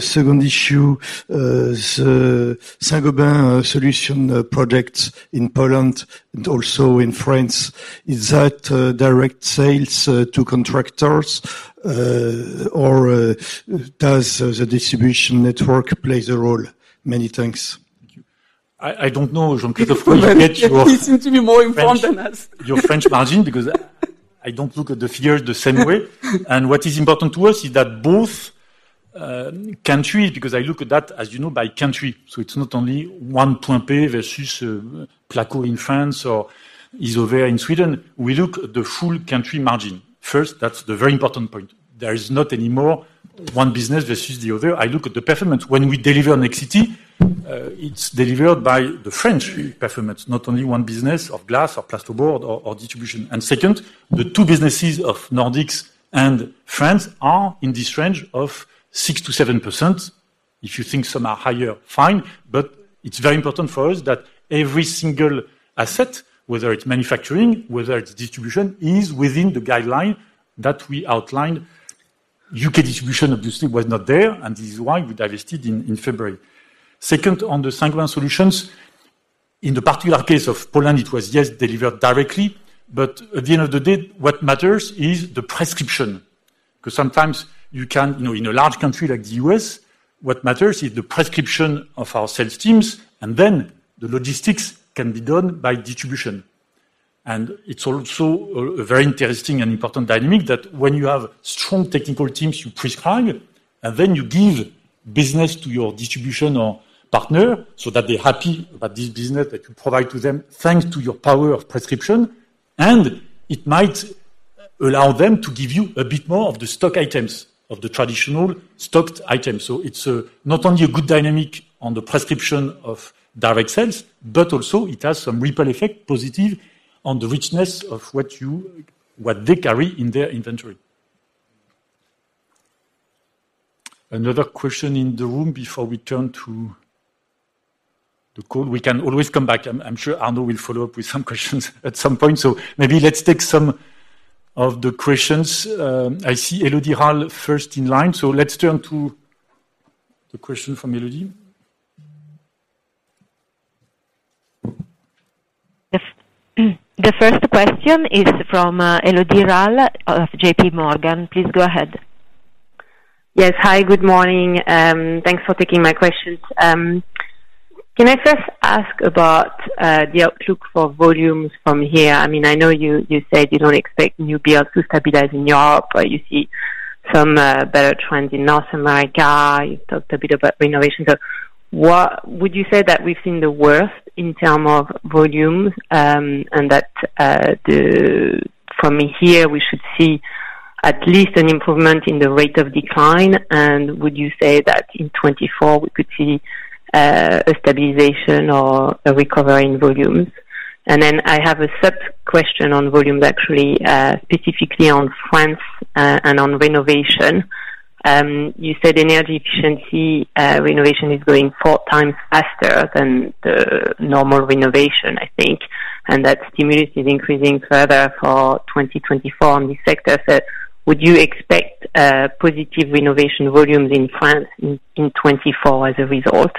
Second issue, Saint-Gobain solution projects in Poland and also in France, is that direct sales to contractors, or does the distribution network play the role? Many thanks. Thank you. I don't know, Jean-Christophe, where you get your... He seems to be more informed than us. your French margin, because I don't look at the figure the same way. What is important to us is that both countries, because I look at that, as you know, by country, so it's not only one Point. P versus Placo in France or Isover in Sweden. We look at the full country margin. First, that's the very important point. There is not any more one business versus the other. I look at the performance. When we deliver on Nexity, it's delivered by the French performance, not only one business of glass or plasterboard or distribution. Second, the two businesses of Nordics and France are in this range of 6%-7%. If you think some are higher, fine, but it's very important for us that every single asset, whether it's manufacturing, whether it's distribution, is within the guideline that we outlined. U.K. distribution, obviously, was not there, and this is why we divested in February. Second, on the Saint-Gobain solutions, in the particular case of Poland, it was, yes, delivered directly, but at the end of the day, what matters is the prescription. Because sometimes you can, you know, in a large country like the U.S., what matters is the prescription of our sales teams, and then the logistics can be done by distribution. And it's also a very interesting and important dynamic, that when you have strong technical teams, you prescribe, and then you give business to your distribution or partner, so that they're happy about this business that you provide to them, thanks to your power of prescription. And it might allow them to give you a bit more of the stock items, of the traditional stocked items. It's not only a good dynamic on the prescription of direct sales, but also it has some ripple effect, positive, on the richness of what they carry in their inventory. Another question in the room before we turn to the call. We can always come back. I'm sure Arnaud will follow up with some questions at some point. Maybe let's take some of the questions. I see Elodie Rall first in line, so let's turn to the question from Elodie. The first question is from Elodie Rall of JP Morgan. Please go ahead. Yes. Hi, good morning. Thanks for taking my questions. Can I first ask about the outlook for volumes from here? I mean, I know you said you don't expect new builds to stabilize in Europe, or you see some better trends in North America. You talked a bit about renovation. Would you say that we've seen the worst in terms of volumes, and that, the, from here, we should see at least an improvement in the rate of decline? Would you say that in 2024 we could see a stabilization or a recovery in volumes? Then I have a sub-question on volumes, actually, specifically on France, and on renovation. You said energy efficiency renovation is growing 4 times faster than the normal renovation, I think, and that stimulus is increasing further for 2024 in this sector. Would you expect positive renovation volumes in France in 2024 as a result?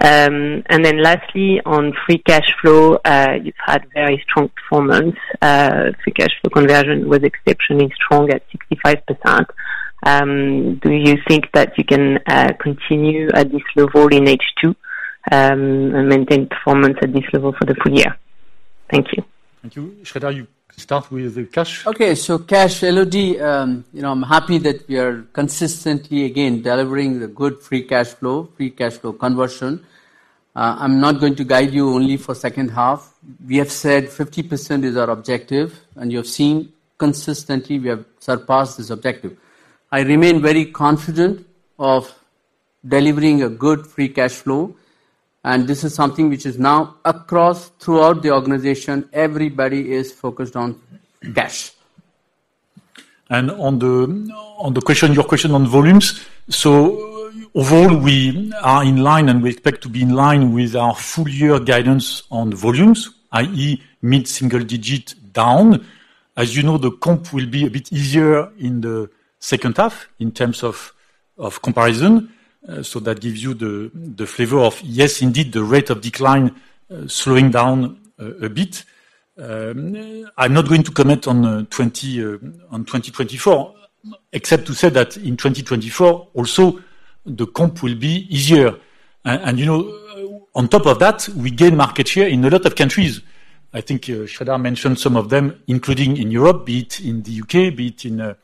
Then lastly, on free cash flow, you've had very strong performance. Free cash flow conversion was exceptionally strong at 65%. Do you think that you can continue at this level in H2, and maintain performance at this level for the full year? Thank you. Thank you. Sreedhar, you start with the cash. Okay. cash, Elodie, you know, I'm happy that we are consistently, again, delivering the good free cash flow, free cash flow conversion. I'm not going to guide you only for second half. We have said 50% is our objective, and you have seen consistently we have surpassed this objective. I remain very confident of delivering a good free cash flow, and this is something which is now across throughout the organization, everybody is focused on cash. On the question, your question on volumes, overall, we are in line, and we expect to be in line with our full year guidance on volumes, i.e., mid-single digit down. As you know, the comp will be a bit easier in the second half in terms of comparison, that gives you the flavor of, yes, indeed, the rate of decline slowing down a bit. I'm not going to comment on 2024, except to say that in 2024, also, the comp will be easier. You know, on top of that, we gain market share in a lot of countries. I think Sreedhar mentioned some of them, including in Europe, be it in the U.K., be it in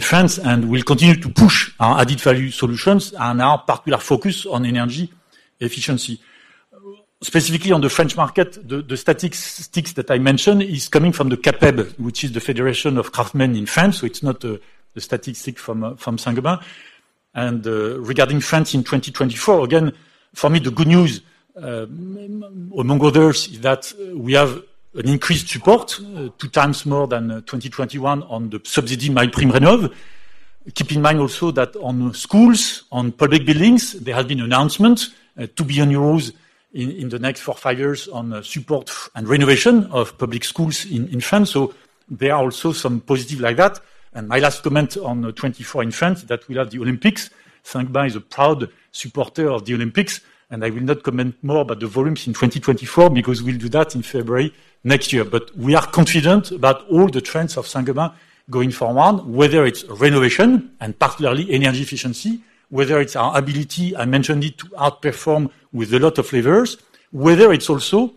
France. We'll continue to push our added-value solutions and our particular focus on energy efficiency. Specifically on the French market, the statistics that I mentioned is coming from the CAPEB, which is the Federation of Craftsmen in France, so it's not the statistic from Saint-Gobain. Regarding France in 2024, again, for me, the good news among others is that we have an increased support, two times more than 2021 on the subsidy, MaPrimeRénov'. Keep in mind also that on schools, on public buildings, there have been announcements to be on the rise in the next four, five years on support and renovation of public schools in France. There are also some positive like that. My last comment on 2024 in France, that we have the Olympics. Saint-Gobain is a proud supporter of the Olympics, and I will not comment more about the volumes in 2024, because we'll do that in February next year. We are confident about all the trends of Saint-Gobain going forward, whether it's renovation and particularly energy efficiency, whether it's our ability, I mentioned it, to outperform with a lot of levers, whether it's also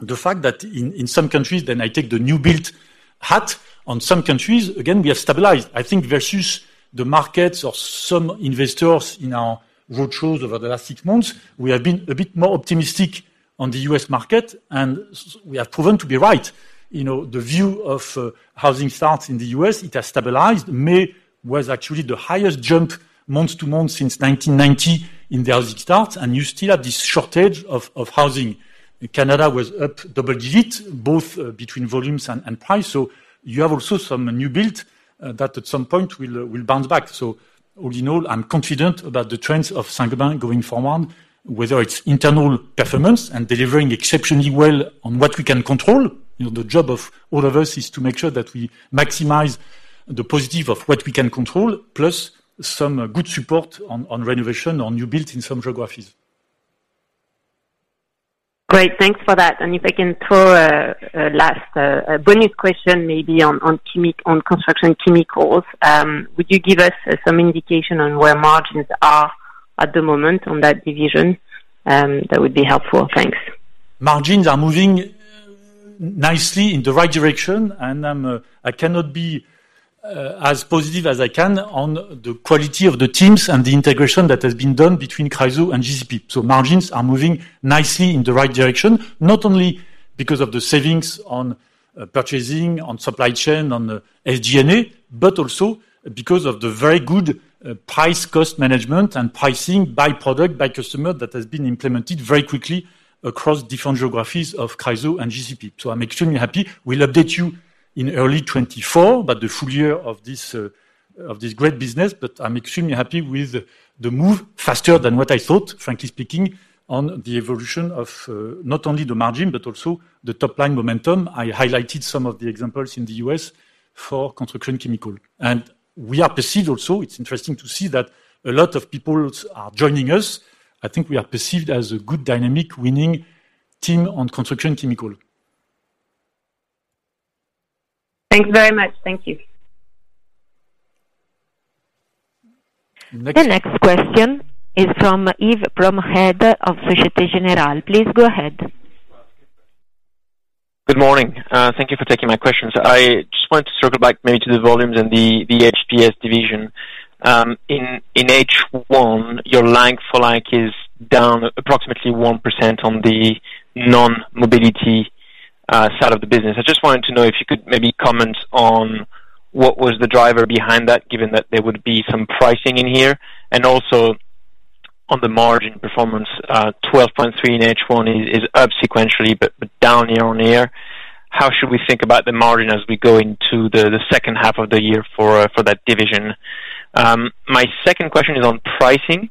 the fact that in some countries, then I take the new built hat, on some countries, again, we are stabilized. I think versus the markets or some investors in our road shows over the last six months, we have been a bit more optimistic on the U.S. market, and we have proven to be right. You know, the view of housing starts in the U.S., it has stabilized. May was actually the highest jump month-over-month since 1990 in the housing start, you still have this shortage of housing. Canada was up double digits, both between volumes and price, you have also some new build that at some point will bounce back. All in all, I'm confident about the trends of Saint-Gobain going forward, whether it's internal performance and delivering exceptionally well on what we can control. You know, the job of all of us is to make sure that we maximize the positive of what we can control, plus some good support on renovation, on new build in some geographies. Great, thanks for that. If I can throw a last bonus question, maybe on construction chemicals. Would you give us some indication on where margins are at the moment on that division? That would be helpful. Thanks. Margins are moving nicely in the right direction, and I'm, I cannot be as positive as I can on the quality of the teams and the integration that has been done between Chryso and GCP. Margins are moving nicely in the right direction, not only because of the savings on purchasing, on supply chain, on the SG&A, but also because of the very good price-cost management and pricing by product, by customer, that has been implemented very quickly across different geographies of Chryso and GCP. I'm extremely happy. We'll update you in early 2024, but the full year of this, of this great business, but I'm extremely happy with the move, faster than what I thought, frankly speaking, on the evolution of, not only the margin, but also the top line momentum. I highlighted some of the examples in the U.S. for construction chemical. We are perceived also, it's interesting to see that a lot of people are joining us. I think we are perceived as a good dynamic, winning team on construction chemical. Thanks very much. Thank you. The next question is from Yves Bromhead of Societe Generale. Please go ahead. Good morning. Thank you for taking my questions. I just wanted to circle back maybe to the volumes and the HPS division. In H1, your like-for-like is down approximately 1% on the non-mobility side of the business. I just wanted to know if you could maybe comment on what was the driver behind that, given that there would be some pricing in here, and also on the margin performance, 12.3% in H1 is up sequentially, but down year-on-year. How should we think about the margin as we go into the second half of the year for that division? My second question is on pricing.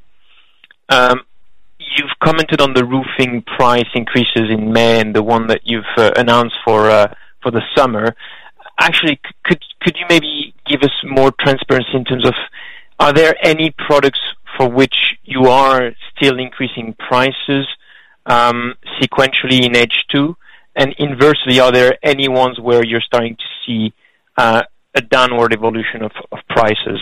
You've commented on the roofing price increases in May and the one that you've announced for the summer. Actually, could you maybe give us more transparency in terms of, are there any products for which you are still increasing prices sequentially in H2? Inversely, are there any ones where you're starting to see a downward evolution of prices?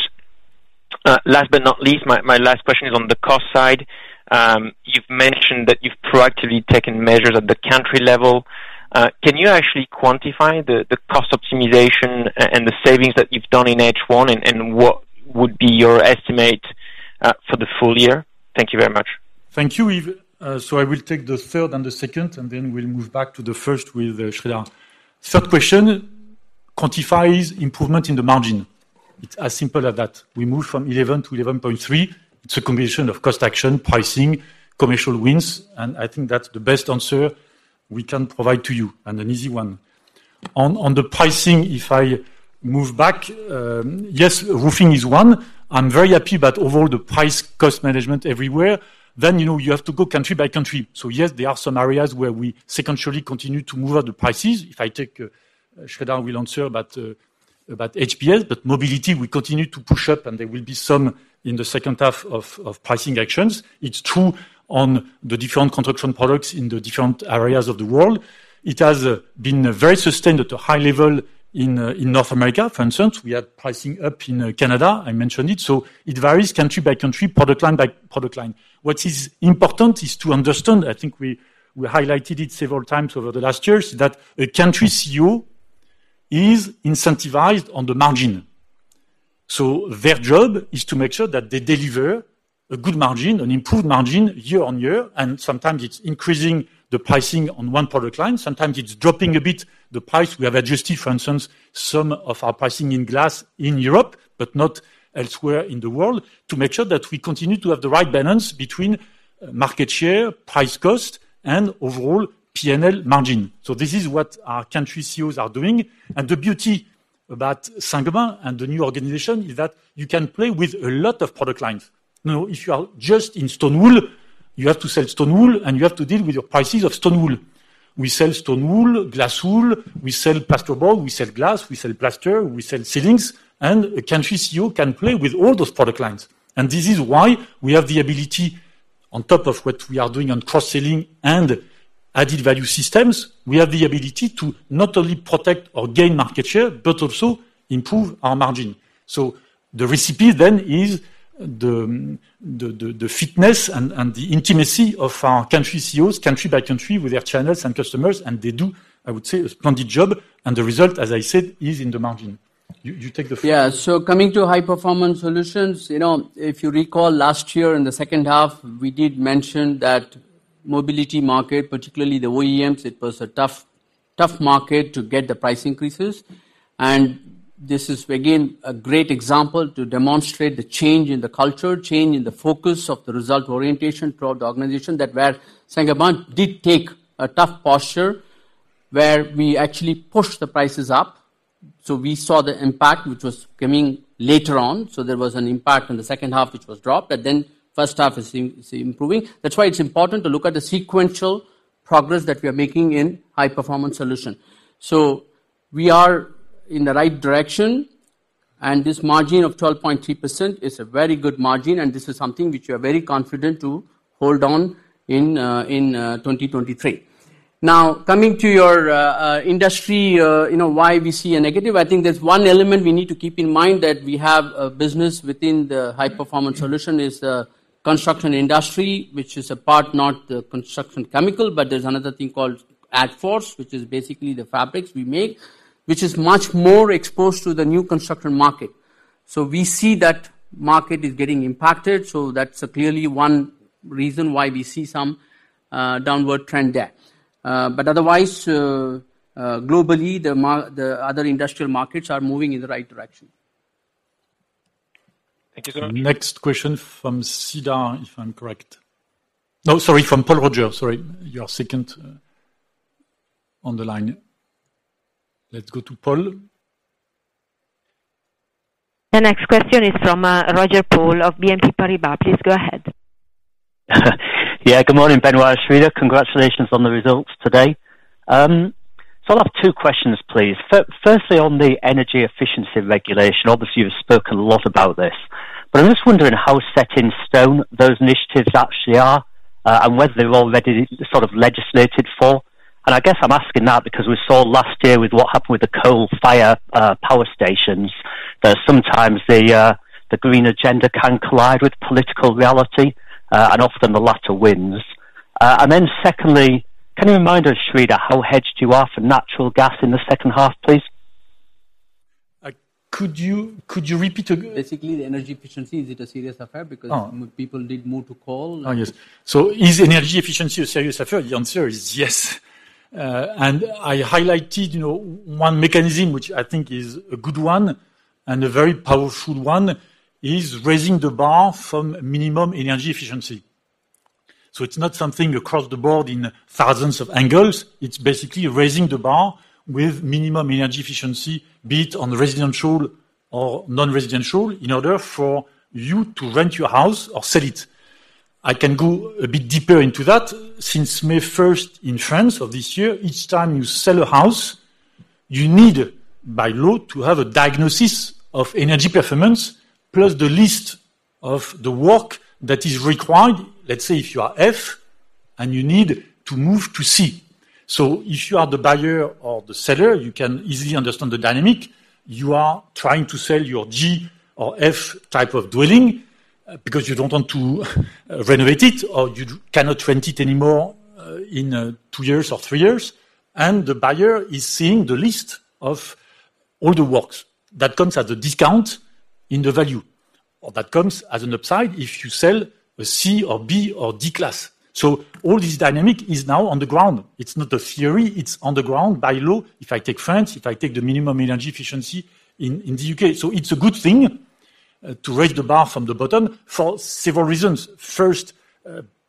Last but not least, my last question is on the cost side. You've mentioned that you've proactively taken measures at the country level. Can you actually quantify the cost optimization and the savings that you've done in H1, and what would be your estimate for the full year? Thank you very much. Thank you, Yves. I will take the third and the second, and then we'll move back to the first with Sreedhar. Third question, quantifies improvement in the margin. It's as simple as that. We moved from 11 to 11.3. It's a combination of cost action, pricing, commercial wins, and I think that's the best answer we can provide to you, and an easy one. On the pricing, if I move back, yes, roofing is one. I'm very happy, overall, the price cost management everywhere, then, you know, you have to go country-by-country. Yes, there are some areas where we secondarily continue to move out the prices. If I take, Sreedhar will answer about HPS, mobility, we continue to push up, and there will be some in the second half of pricing actions. It's true on the different construction products in the different areas of the world. It has been very sustained at a high level in North America, for instance. We are pricing up in Canada, I mentioned it. It varies country-by-country, product line by product line. What is important is to understand, I think we highlighted it several times over the last years, that a country CEO is incentivized on the margin. Their job is to make sure that they deliver a good margin, an improved margin year-on-year, and sometimes it's increasing the pricing on one product line, sometimes it's dropping a bit, the price we have adjusted, for instance, some of our pricing in glass in Europe, but not elsewhere in the world, to make sure that we continue to have the right balance between market share, price cost, and overall PNL margin. This is what our country CEOs are doing. The beauty about Saint-Gobain and the new organization is that you can play with a lot of product lines. If you are just in stone wool, you have to sell stone wool, and you have to deal with your prices of stone wool. We sell stone wool, glass wool, we sell plasterboard, we sell glass, we sell plaster, we sell ceilings, a country CEO can play with all those product lines. This is why we have the ability, on top of what we are doing on cross-selling and added value systems, we have the ability to not only protect or gain market share, but also improve our margin. The recipe then is the fitness and the intimacy of our country CEOs, country by country with their channels and customers, and they do, I would say, a splendid job, and the result, as I said, is in the margin. You take the floor. Yeah. Coming to High Performance Solutions, you know, if you recall last year in the second half, we did mention that mobility market, particularly the OEMs, it was a tough market to get the price increases. This is again, a great example to demonstrate the change in the culture, change in the focus of the result orientation throughout the organization, that where Saint-Gobain did take a tough posture, where we actually pushed the prices up. We saw the impact, which was coming later on. There was an impact in the second half, which was dropped, first half is improving. That's why it's important to look at the sequential progress that we are making in High Performance Solutions. We are in the right direction. This margin of 12.3% is a very good margin, and this is something which we are very confident to hold on in 2023. Now, coming to your industry, you know, why we see a negative, I think there's one element we need to keep in mind, that we have a business within the High Performance Solutions is the construction industry, which is a part, not the construction chemicals, but there's another thing called ADFORS, which is basically the fabrics we make, which is much more exposed to the new construction market. We see that market is getting impacted, that's clearly one reason why we see some downward trend there. Otherwise, globally, the other industrial markets are moving in the right direction. Thank you so much. Next question from Cedar, if I'm correct. No, sorry, from Paul Roger. Sorry. You are second on the line. Let's go to Paul. The next question is from Paul Roger of BNP Paribas. Please go ahead. Yeah, good morning, Benoit, Sreedhar. Congratulations on the results today. I'll have two questions, please. Firstly, on the energy efficiency regulation, obviously, you've spoken a lot about this, but I'm just wondering how set in stone those initiatives actually are, and whether they're already sort of legislated for. I guess I'm asking that because we saw last year with what happened with the coal fire, power stations, that sometimes the green agenda can collide with political reality, often the latter wins. Then secondly, can you remind us, Sreedhar, how hedged you are for natural gas in the second half, please? Could you repeat again? Basically, the energy efficiency, is it a serious affair? Ah. Because people did move to coal. Yes. Is energy efficiency a serious affair? The answer is yes. I highlighted, you know, one mechanism, which I think is a good one and a very powerful one, is raising the bar from minimum energy efficiency. It's not something across the board in thousands of angles. It's basically raising the bar with minimum energy efficiency, be it on residential or non-residential, in order for you to rent your house or sell it. I can go a bit deeper into that. Since May first in France of this year, each time you sell a house, you need, by law, to have a diagnosis of energy performance, plus the list of the work that is required. Let's say if you are F, and you need to move to C. If you are the buyer or the seller, you can easily understand the dynamic. You are trying to sell your G or F type of dwelling, because you don't want to renovate it, or you cannot rent it anymore, in two years or three years. The buyer is seeing the list of all the works. That comes as a discount in the value, or that comes as an upside if you sell a C or B or D class. All this dynamic is now on the ground. It's not a theory, it's on the ground by law. If I take France, if I take the minimum energy efficiency in the UK. It's a good thing to raise the bar from the bottom for several reasons. First,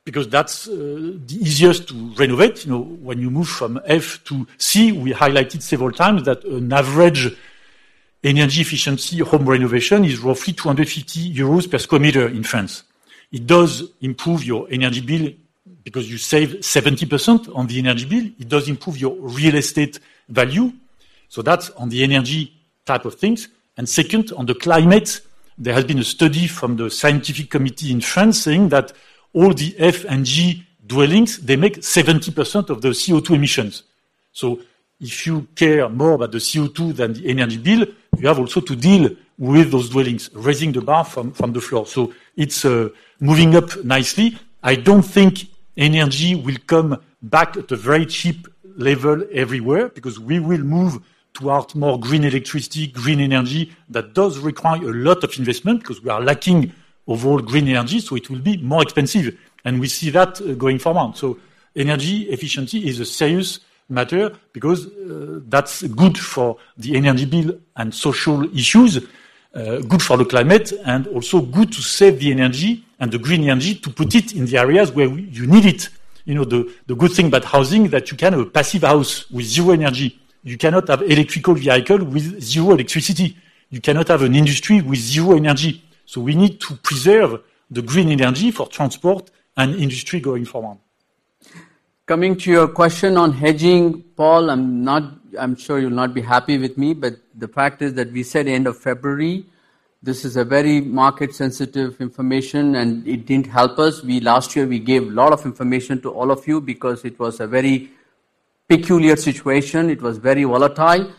because that's the easiest to renovate. You know, when you move from F to C, we highlighted several times that on average, energy efficiency home renovation is roughly 250 euros per square meter in France. It does improve your energy bill, because you save 70% on the energy bill. It does improve your real estate value. That's on the energy type of things. Second, on the climate, there has been a study from the scientific committee in France saying that all the F and G dwellings, they make 70% of the CO2 emissions. If you care more about the CO2 than the energy bill, you have also to deal with those dwellings, raising the bar from the floor. It's moving up nicely. I don't think energy will come back at a very cheap level everywhere, because we will move towards more green electricity, green energy. That does require a lot of investment, because we are lacking overall green energy, so it will be more expensive, and we see that going forward. Energy efficiency is a serious matter because that's good for the energy bill and social issues, good for the climate, and also good to save the energy and the green energy, to put it in the areas where you need it. You know, the good thing about housing, that you can have a passive house with zero energy. You cannot have electrical vehicle with zero electricity. You cannot have an industry with zero energy. We need to preserve the green energy for transport and industry going forward. Coming to your question on hedging, Paul, I'm sure you'll not be happy with me, the fact is that we said end of February, this is a very market-sensitive information, it didn't help us. Last year, we gave a lot of information to all of you because it was a very peculiar situation. It was very volatile.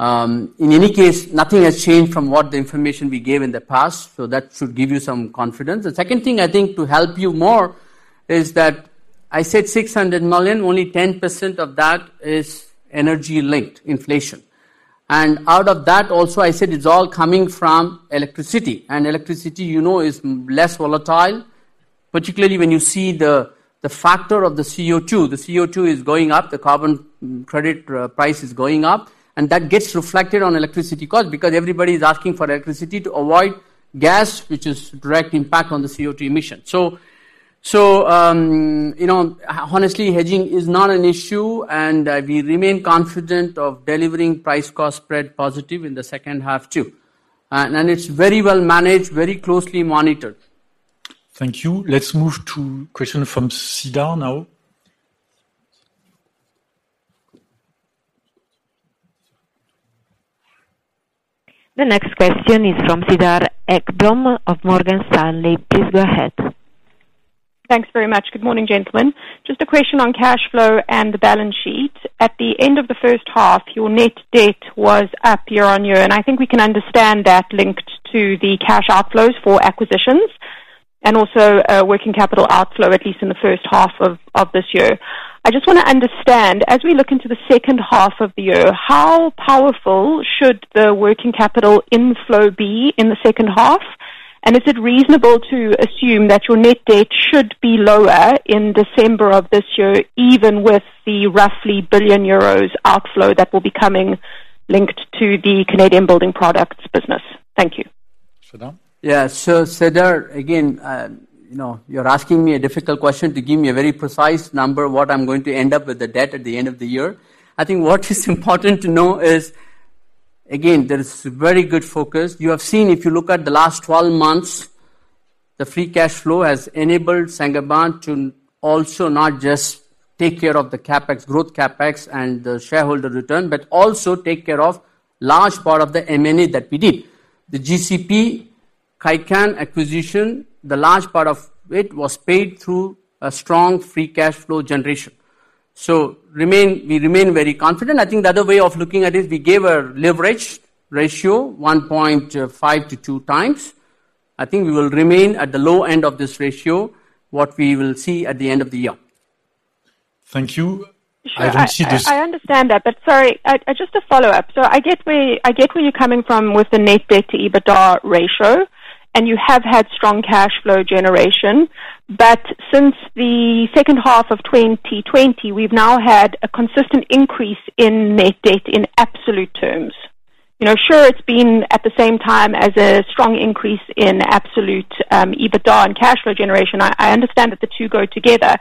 In any case, nothing has changed from what the information we gave in the past, that should give you some confidence. The second thing I think to help you more is that I said 600 million, only 10% of that is energy-linked inflation. Out of that also, I said it's all coming from electricity, you know, is less volatile, particularly when you see the factor of the CO2. The CO2 is going up, the carbon credit price is going up, and that gets reflected on electricity cost, because everybody is asking for electricity to avoid gas, which is direct impact on the CO2 emissions. You know, honestly, hedging is not an issue, and we remain confident of delivering price cost spread positive in the second half, too. It's very well managed, very closely monitored. Thank you. Let's move to question from Cedar now. The next question is from Cedar Ekblom of Morgan Stanley. Please go ahead. Thanks very much. Good morning, gentlemen. Just a question on cash flow and the balance sheet. At the end of the first half, your net debt was up year-on-year. I think we can understand that linked to the cash outflows for acquisitions and also working capital outflow, at least in the first half of this year. I just want to understand, as we look into the second half of the year, how powerful should the working capital inflow be in the second half? Is it reasonable to assume that your net debt should be lower in December of this year, even with the roughly 1 billion euros outflow that will be coming linked to the Canadian Building Products business? Thank you. Yeah. Cedar, again, you know, you're asking me a difficult question to give me a very precise number, what I'm going to end up with the debt at the end of the year. I think what is important to know is, again, there is very good focus. You have seen, if you look at the last 12 months, the free cash flow has enabled Saint-Gobain to also not just take care of the CapEx, growth CapEx and the shareholder return, but also take care of large part of the M&A that we did. The GCP, Kaycan acquisition, the large part of it was paid through a strong free cash flow generation. We remain very confident. I think the other way of looking at it, we gave a leverage ratio, 1.5-2 times. I think we will remain at the low end of this ratio, what we will see at the end of the year. Thank you. I don't see this- Sure, I understand that, but sorry, just a follow-up. I get where you're coming from with the net debt to EBITDA ratio, and you have had strong cash flow generation. Since the second half of 2020, we've now had a consistent increase in net debt in absolute terms. You know, sure, it's been at the same time as a strong increase in absolute EBITDA and cash flow generation. I understand that the two go together,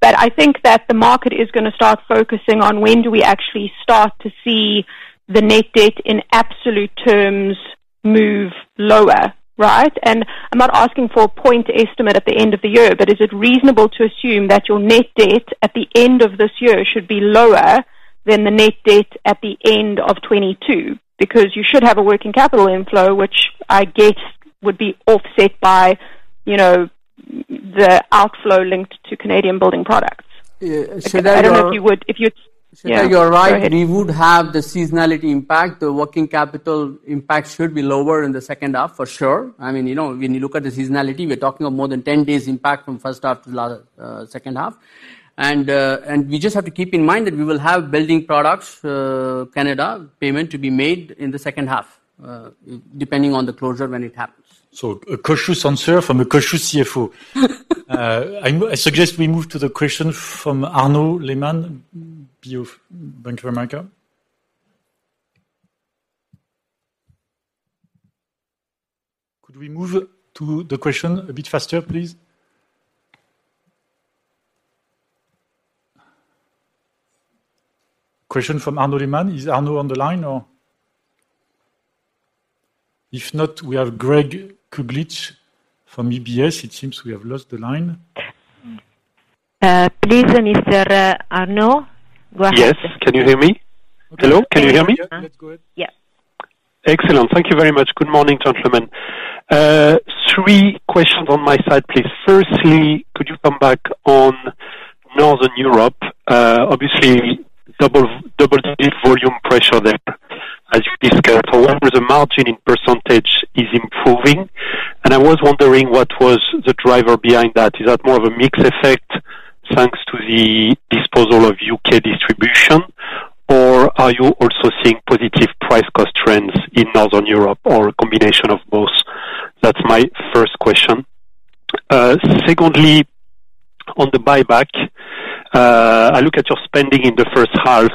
but I think that the market is gonna start focusing on when do we actually start to see the net debt in absolute terms move lower, right? I'm not asking for a point estimate at the end of the year, but is it reasonable to assume that your net debt at the end of this year should be lower than the net debt at the end of 2022? You should have a working capital inflow, which I guess would be offset by, you know, the outflow linked to Building Products of Canada. Yeah, Cedar. I don't know if you would. Cedar, you're right. Yeah, go ahead. We would have the seasonality impact. The working capital impact should be lower in the second half, for sure. I mean, you know, when you look at the seasonality, we're talking of more than 10 days impact from first half to the second half. We just have to keep in mind that we will have Building Products Canada payment to be made in the second half, depending on the closure when it happens. A cautious answer from a cautious CFO. I suggest we move to the question from Arnaud Lehmann, Bank of America. Could we move to the question a bit faster, please? Question from Arnaud Lehmann. Is Arnaud on the line or? If not, we have Gregor Kuglitsch from UBS. It seems we have lost the line. Please, Mr. Arnaud, go ahead. Yes. Can you hear me? Hello, can you hear me? Yeah. Let's go ahead. Yeah. Excellent. Thank you very much. Good morning, gentlemen. three questions on my side, please. Firstly, could you come back on Northern Europe? Obviously, double digit volume pressure there, as you discussed. However, the margin in percentage is improving, and I was wondering what was the driver behind that. Is that more of a mix effect thanks to the disposal of U.K. distribution, or are you also seeing positive price cost trends in Northern Europe or a combination of both? That's my first question. Secondly, on the buyback, I look at your spending in the first half.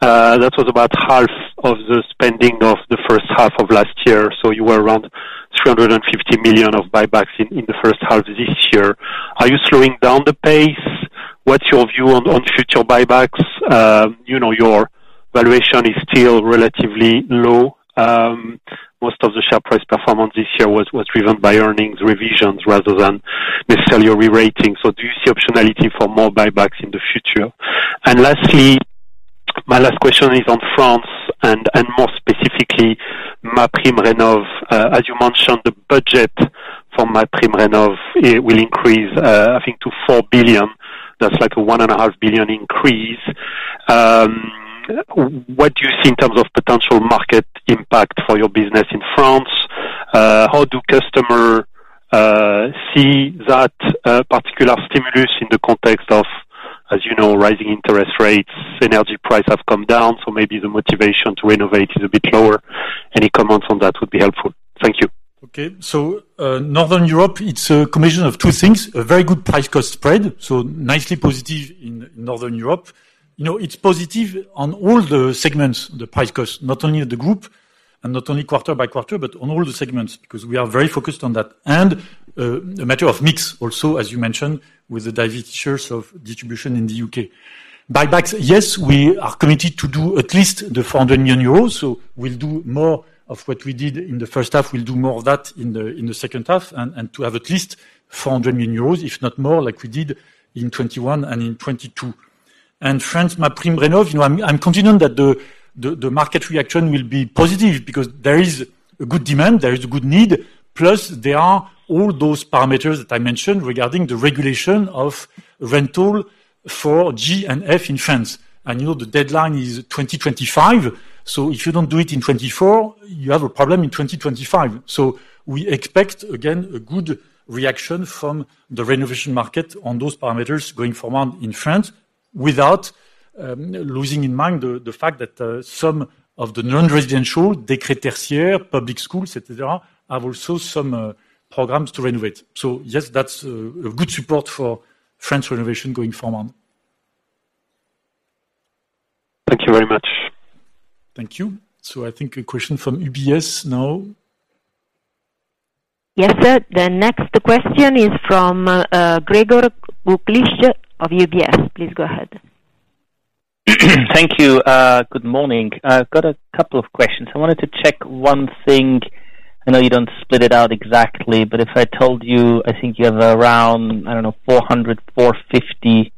That was about half of the spending of the first half of last year, so you were around 350 million of buybacks in the first half this year. Are you slowing down the pace? What's your view on future buybacks? You know, your valuation is still relatively low. Most of the share price performance this year was driven by earnings revisions rather than necessarily a rerating. Do you see optionality for more buybacks in the future? Lastly, my last question is on France and more specifically, MaPrimeRénov'. As you mentioned, the budget for MaPrimeRénov' will increase, I think to 4 billion. That's like a 1.5 billion increase. What do you see in terms of potential market impact for your business in France? How do customer see that particular stimulus in the context of, as you know, rising interest rates, energy price have come down, maybe the motivation to renovate is a bit lower. Any comments on that would be helpful. Thank you. Okay. Northern Europe, it's a combination of two things: a very good price cost spread, so nicely positive in Northern Europe. You know, it's positive on all the segments, the price cost, not only of the group and not only quarter by quarter, but on all the segments, because we are very focused on that. A matter of mix also, as you mentioned, with the divestitures of distribution in the U.K. Buybacks, yes, we are committed to do at least 400 million euros, so we'll do more of what we did in the first half. We'll do more of that in the second half, and to have at least 400 million euros, if not more, like we did in 2021 and in 2022. France, MaPrimeRénov', you know, I'm confident that the market reaction will be positive because there is a good demand, there is a good need, plus there are all those parameters that I mentioned regarding the regulation of rental for G and F in France. You know, the deadline is 2025, so if you don't do it in 2024, you have a problem in 2025. We expect, again, a good reaction from the renovation market on those parameters going forward in France, without losing in mind the fact that some of the non-residential, public schools, et cetera, have also some programs to renovate. Yes, that's a good support for France renovation going forward. Thank you very much. Thank you. I think a question from UBS now. Yes, sir. The next question is from Gregor Kuglitsch of UBS. Please go ahead. Thank you. Good morning. I've got a couple of questions. I wanted to check one thing. I know you don't split it out exactly, but if I told you, I think you have around, I don't know, 400, 450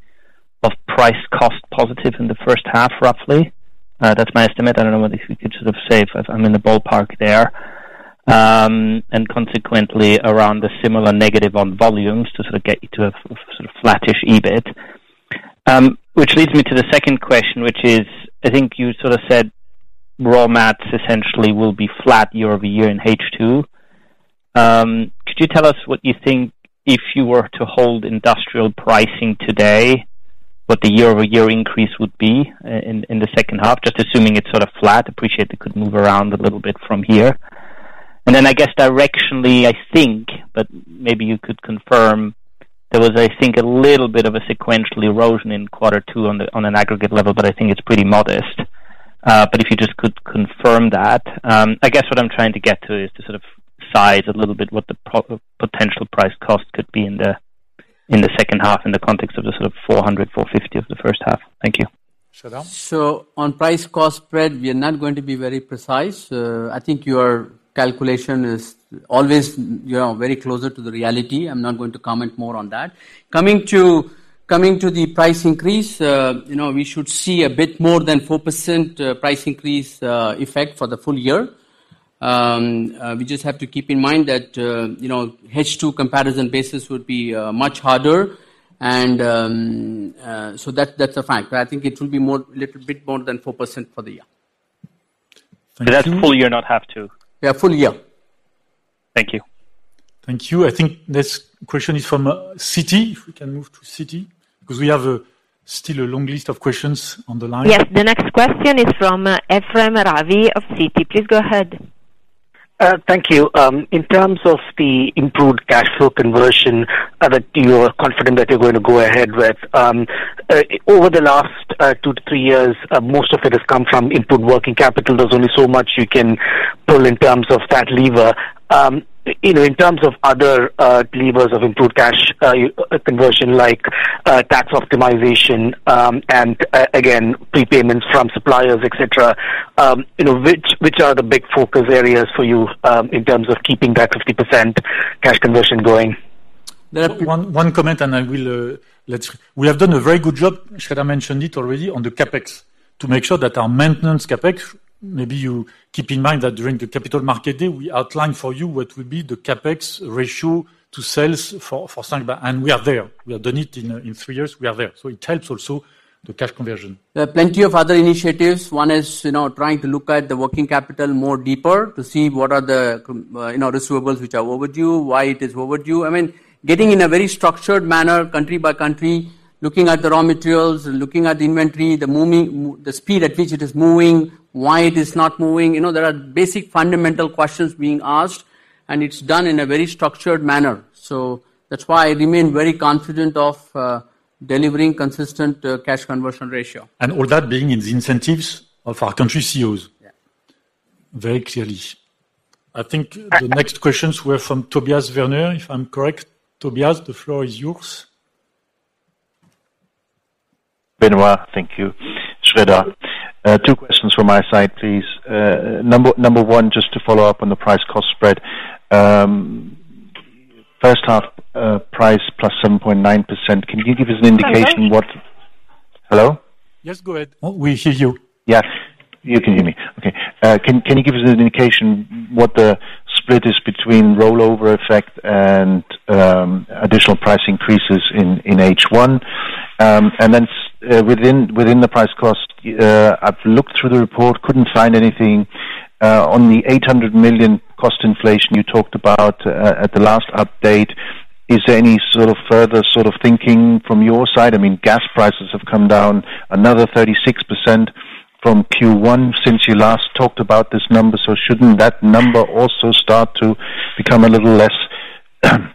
of price-cost positive in the first half, roughly. That's my estimate. I don't know whether you could sort of say if I'm in the ballpark there. Consequently, around the similar negative on volumes to sort of get you to a sort of flattish EBIT. Which leads me to the second question, which is, I think you sort of said raw mats essentially will be flat year-over-year in H2. Could you tell us what you think if you were to hold industrial pricing today, what the year-over-year increase would be in the second half? Just assuming it's sort of flat. Appreciate it could move around a little bit from here. I guess directionally, I think, but maybe you could confirm, there was, I think, a little bit of a sequential erosion in Q2 on an aggregate level, but I think it's pretty modest. If you just could confirm that. I guess what I'm trying to get to is to sort of size a little bit what the potential price cost could be in the second half, in the context of the sort of 400, 450 of the first half. Thank you. Sreedhar? On price cost spread, we are not going to be very precise. I think your calculation is always, you know, very closer to the reality. I'm not going to comment more on that. Coming to the price increase, you know, we should see a bit more than 4% price increase effect for the full year. We just have to keep in mind that, you know, H2 comparison basis would be much harder, and that's a fact. I think it will be more, little bit more than 4% for the year. That's full year, not half, two? Yeah, full year. Thank you. Thank you. I think next question is from Citi. If we can move to Citi, 'cause we have a, still a long list of questions on the line. Yes, the next question is from Ephrem Ravi of Citi. Please go ahead. Thank you. In terms of the improved cash flow conversion that you're confident that you're going to go ahead with, over the last 2-3 years, most of it has come from improved working capital. There's only so much you can pull in terms of that lever. You know, in terms of other levers of improved cash conversion, like tax optimization, and again, prepayments from suppliers, et cetera, you know, which are the big focus areas for you, in terms of keeping that 50% cash conversion going? One comment. We have done a very good job, Sreedhar mentioned it already, on the CapEx, to make sure that our maintenance CapEx. Maybe you keep in mind that during the Capital Markets Day, we outlined for you what would be the CapEx ratio to sales for Saint-Gobain, and we are there. We have done it in three years, we are there. It helps also the cash conversion. There are plenty of other initiatives. One is, you know, trying to look at the working capital more deeper to see what are the, you know, the receivables which are overdue, why it is overdue. I mean, getting in a very structured manner, country by country, looking at the raw materials, looking at the inventory, the moving, the speed at which it is moving, why it is not moving. You know, there are basic fundamental questions being asked, and it's done in a very structured manner. That's why I remain very confident of delivering consistent cash conversion ratio. All that being in the incentives of our country COs. Yeah. Very clearly. I think the next questions were from Tobias Wagner, if I'm correct. Tobias, the floor is yours. Benoit, thank you. Sreedhar, two questions from my side, please. number one, just to follow up on the price cost spread. first half, price plus 7.9%. Can you give us an indication? Hello? Yes, go ahead. Oh, we hear you. Yeah. You can hear me. Okay. Can you give us an indication what the split is between rollover effect and additional price increases in H1? Within the price cost, I've looked through the report, couldn't find anything. On the 800 million cost inflation you talked about at the last update, is there any sort of further sort of thinking from your side? I mean, gas prices have come down another 36% from Q1 since you last talked about this number, shouldn't that number also start to become a little less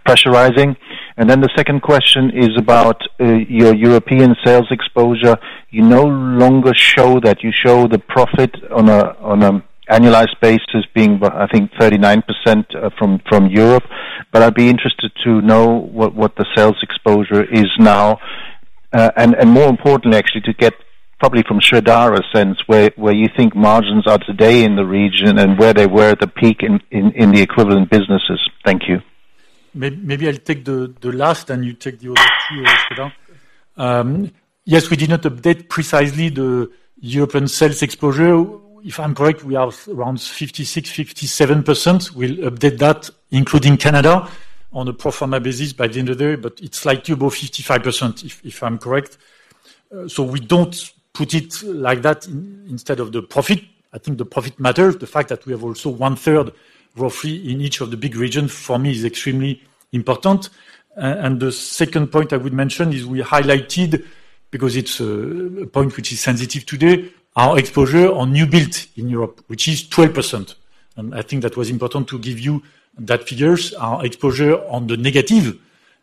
pressurizing? The second question is about your European sales exposure. You no longer show that, you show the profit on an annualized basis being about, I think, 39% from Europe. I'd be interested to know what the sales exposure is now, and more importantly, actually, to get probably from Sreedhar a sense where you think margins are today in the region and where they were at the peak in, in the equivalent businesses. Thank you. Maybe I'll take the last, and you take the other two, Benoit Bazin. Yes, we did not update precisely the European sales exposure. If I'm correct, we are around 56%-57%. We'll update that, including Canada, on a pro forma basis by the end of the day, but it's slightly above 55%, if I'm correct. We don't put it like that instead of the profit. I think the profit matters. The fact that we have also 1/3, roughly, in each of the big regions, for me, is extremely important. The second point I would mention is we highlighted, because it's a point which is sensitive today, our exposure on new build in Europe, which is 12%. I think that was important to give you that figures. Our exposure on the negative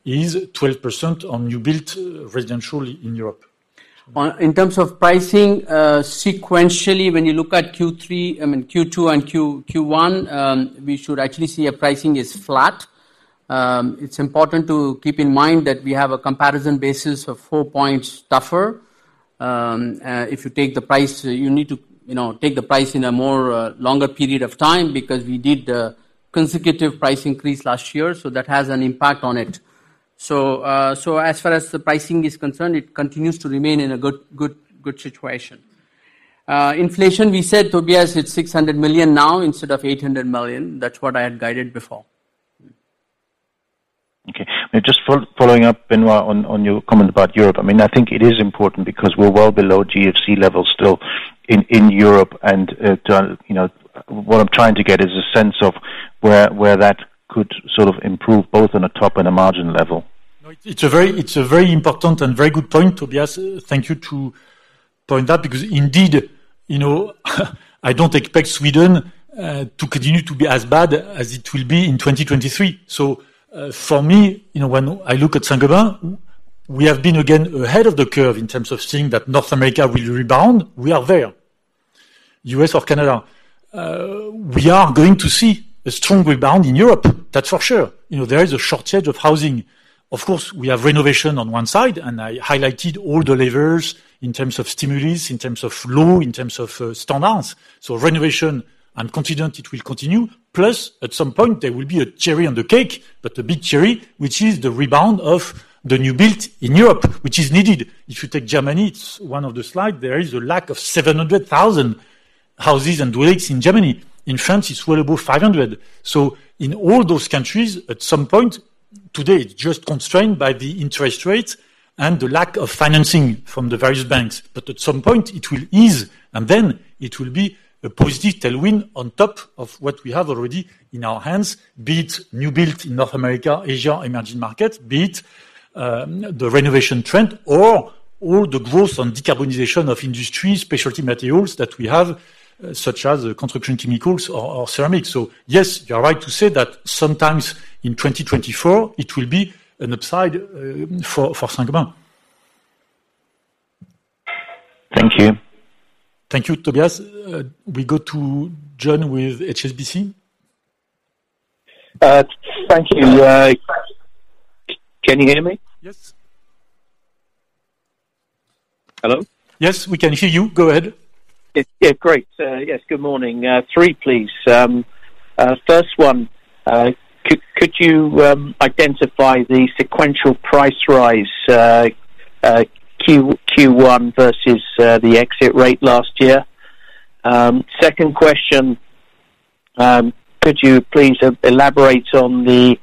is 12% on new build residential in Europe. In terms of pricing, sequentially, when you look at Q3, I mean, Q2 and Q1, we should actually see a pricing is flat. It's important to keep in mind that we have a comparison basis of four points tougher. If you take the price, you need to, you know, take the price in a more longer period of time, because we did the consecutive price increase last year, so that has an impact on it. As far as the pricing is concerned, it continues to remain in a good situation. Inflation, we said, Tobias, it's 600 million now instead of 800 million. That's what I had guided before. Okay. Just following up, Benoit, on your comment about Europe. I mean, I think it is important because we're well below GFC levels still in Europe, and, you know, what I'm trying to get is a sense of where that could sort of improve both on a top and a margin level. No, it's a very, it's a very important and very good point, Tobias. Thank you to point that, because indeed, you know, I don't expect Sweden to continue to be as bad as it will be in 2023. For me, you know, when I look at Saint-Gobain, we have been again ahead of the curve in terms of seeing that North America will rebound. We are there, U.S. or Canada. We are going to see a strong rebound in Europe, that's for sure. You know, there is a shortage of housing. Of course, we have renovation on one side, and I highlighted all the levers in terms of stimulus, in terms of law, in terms of standards. Renovation, I'm confident it will continue. At some point there will be a cherry on the cake, but a big cherry, which is the rebound of the new build in Europe, which is needed. If you take Germany, it's one of the slides, there is a lack of 700,000 houses and in Germany. In France, it's well above 500. In all those countries, at some point, today, it's just constrained by the interest rates and the lack of financing from the various banks, but at some point it will ease, and then it will be a positive tailwind on top of what we have already in our hands, be it new build in North America, Asia, emerging markets, be it the renovation trend or the growth on decarbonization of industries, specialty materials that we have, such as construction chemicals or ceramics. Yes, you are right to say that sometimes in 2024, it will be an upside for Saint-Gobain. Thank you. Thank you, Tobias. We go to John with HSBC. Thank you. Can you hear me? Yes. Hello? Yes, we can hear you. Go ahead. Yeah, great. Yes, good morning. three, please. First one, could you identify the sequential price rise Q1 versus the exit rate last year? Second question, could you please elaborate on the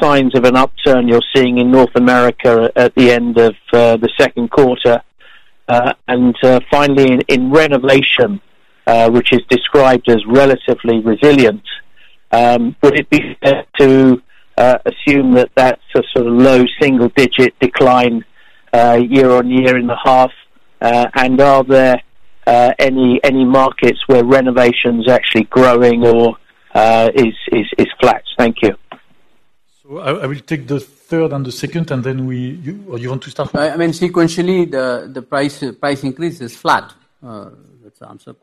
signs of an upturn you're seeing in North America at the end of the second quarter? Finally, in renovation, which is described as relatively resilient, would it be fair to assume that that's a sort of low double-digit decline year-on-year in the half? Are there any markets where renovation's actually growing or is flat? Thank you. I will take the third and the second. You, or you want to start? I mean, sequentially, the price increase is flat. That's the answer,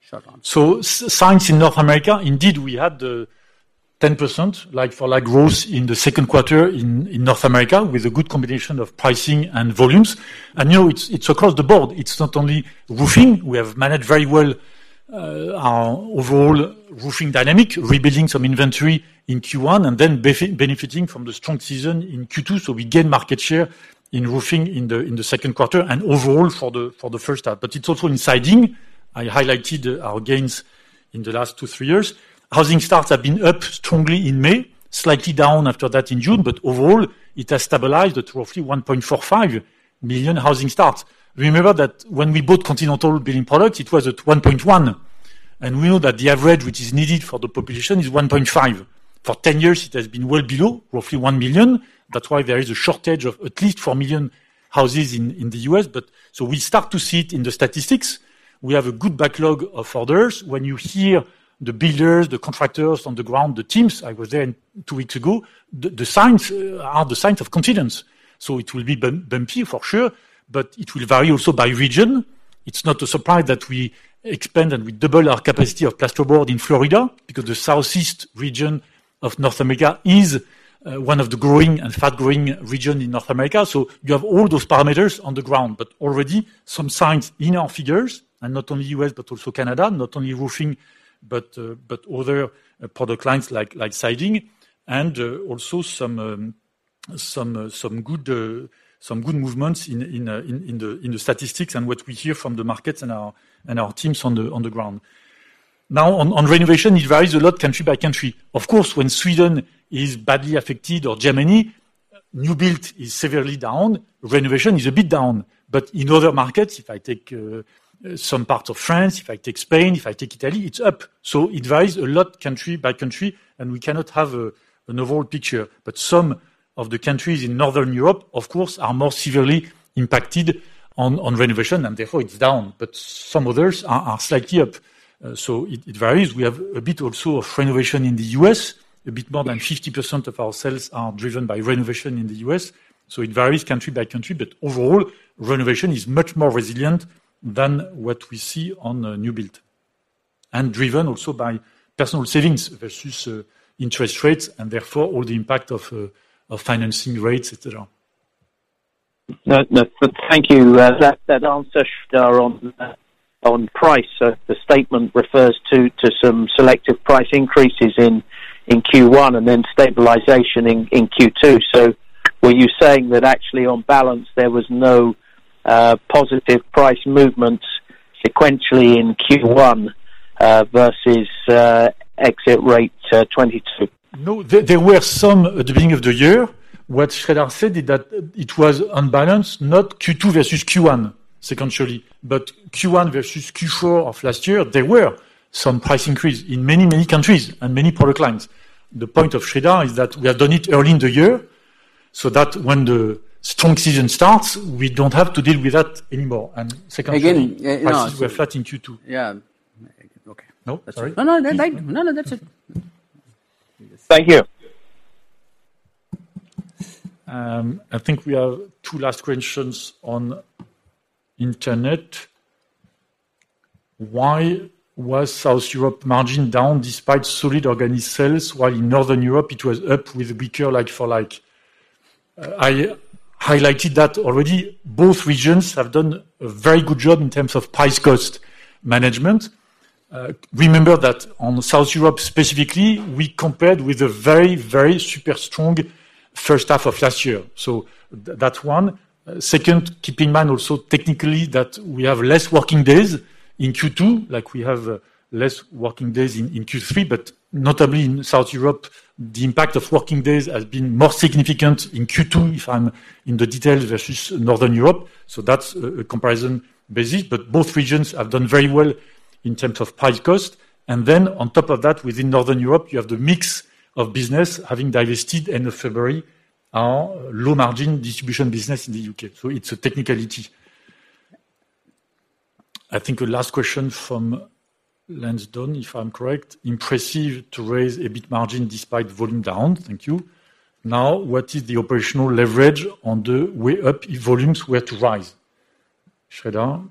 short answer. Signs in North America, indeed, we had the 10% like for like growth in the second quarter in North America, with a good combination of pricing and volumes. You know, it's across the board. It's not only roofing. We have managed very well our overall roofing dynamic, rebuilding some inventory in Q1 and then benefiting from the strong season in Q2, so we gain market share in roofing in the second quarter and overall for the first half. It's also in siding. I highlighted our gains in the last two, three years. Housing starts have been up strongly in May, slightly down after that in June, but overall, it has stabilized at roughly 1.45 billion housing starts. Remember that when we bought Continental Building Products, it was at 1.1, and we know that the average which is needed for the population is 1.5. For 10 years, it has been well below, roughly $1 billion. That's why there is a shortage of at least 4 million houses in the U.S., we start to see it in the statistics. We have a good backlog of orders. When you hear the builders, the contractors on the ground, the teams, I was there two weeks ago, the signs are the signs of confidence. It will be bumpy for sure, but it will vary also by region. It's not a surprise that we expand and we double our capacity of GlasRoc board in Florida because the southeast region of North America is one of the growing and fast growing region in North America. You have all those parameters on the ground, but already some signs in our figures, and not only U.S., but also Canada, not only roofing, but other product lines, like siding, and also some good movements in the statistics and what we hear from the markets and our teams on the ground. On renovation, it varies a lot country by country. Of course, when Sweden is badly affected or Germany, new build is severely down, renovation is a bit down. In other markets, if I take some parts of France, if I take Spain, if I take Italy, it's up. It varies a lot country by country, and we cannot have an overall picture. Some of the countries in Northern Europe, of course, are more severely impacted on renovation, and therefore it's down, but some others are slightly up. It varies. We have a bit also of renovation in the U.S., a bit more than 50% of our sales are driven by renovation in the U.S., so it varies country by country. Overall, renovation is much more resilient than what we see on new build, and driven also by personal savings versus interest rates, and therefore all the impact of financing rates, et cetera. No, no. Thank you. That answer are on price. The statement refers to some selective price increases in Q1 and then stabilization in Q2. Were you saying that actually on balance, there was no positive price movement sequentially in Q1 versus exit rate 2022? No, there were some at the beginning of the year. What Sreedhar said is that it was on balance, not Q2 versus Q1, sequentially, but Q1 versus Q4 of last year, there were some price increase in many, many countries and many product lines. The point of Sreedhar is that we have done it early in the year, so that when the strong season starts, we don't have to deal with that anymore. Secondly. Again. Prices were flat in Q2. Yeah. Okay. No? Sorry. Oh, no. Thank you. No, no, that's it. Thank you. I think we have two last questions on internet. Why was South Europe margin down despite solid organic sales, while in Northern Europe it was up with a bigger like-for-like? I highlighted that already both regions have done a very good job in terms of price-cost management. Remember that on South Europe, specifically, we compared with a very, very super strong first half of last year. That's one. Second, keep in mind also technically, that we have less working days in Q2, like we have less working days in Q3, but notably in South Europe, the impact of working days has been more significant in Q2, if I'm in the details, versus Northern Europe. That's a comparison basis, but both regions have done very well in terms of price-cost. On top of that, within Northern Europe, you have the mix of business having divested end of February, our low margin distribution business in the U.K.. It's a technicality. I think the last question from Lansdowne, if I'm correct, impressive to raise a bit margin despite volume down. Thank you. What is the operational leverage on the way up if volumes were to rise? Sreedhar?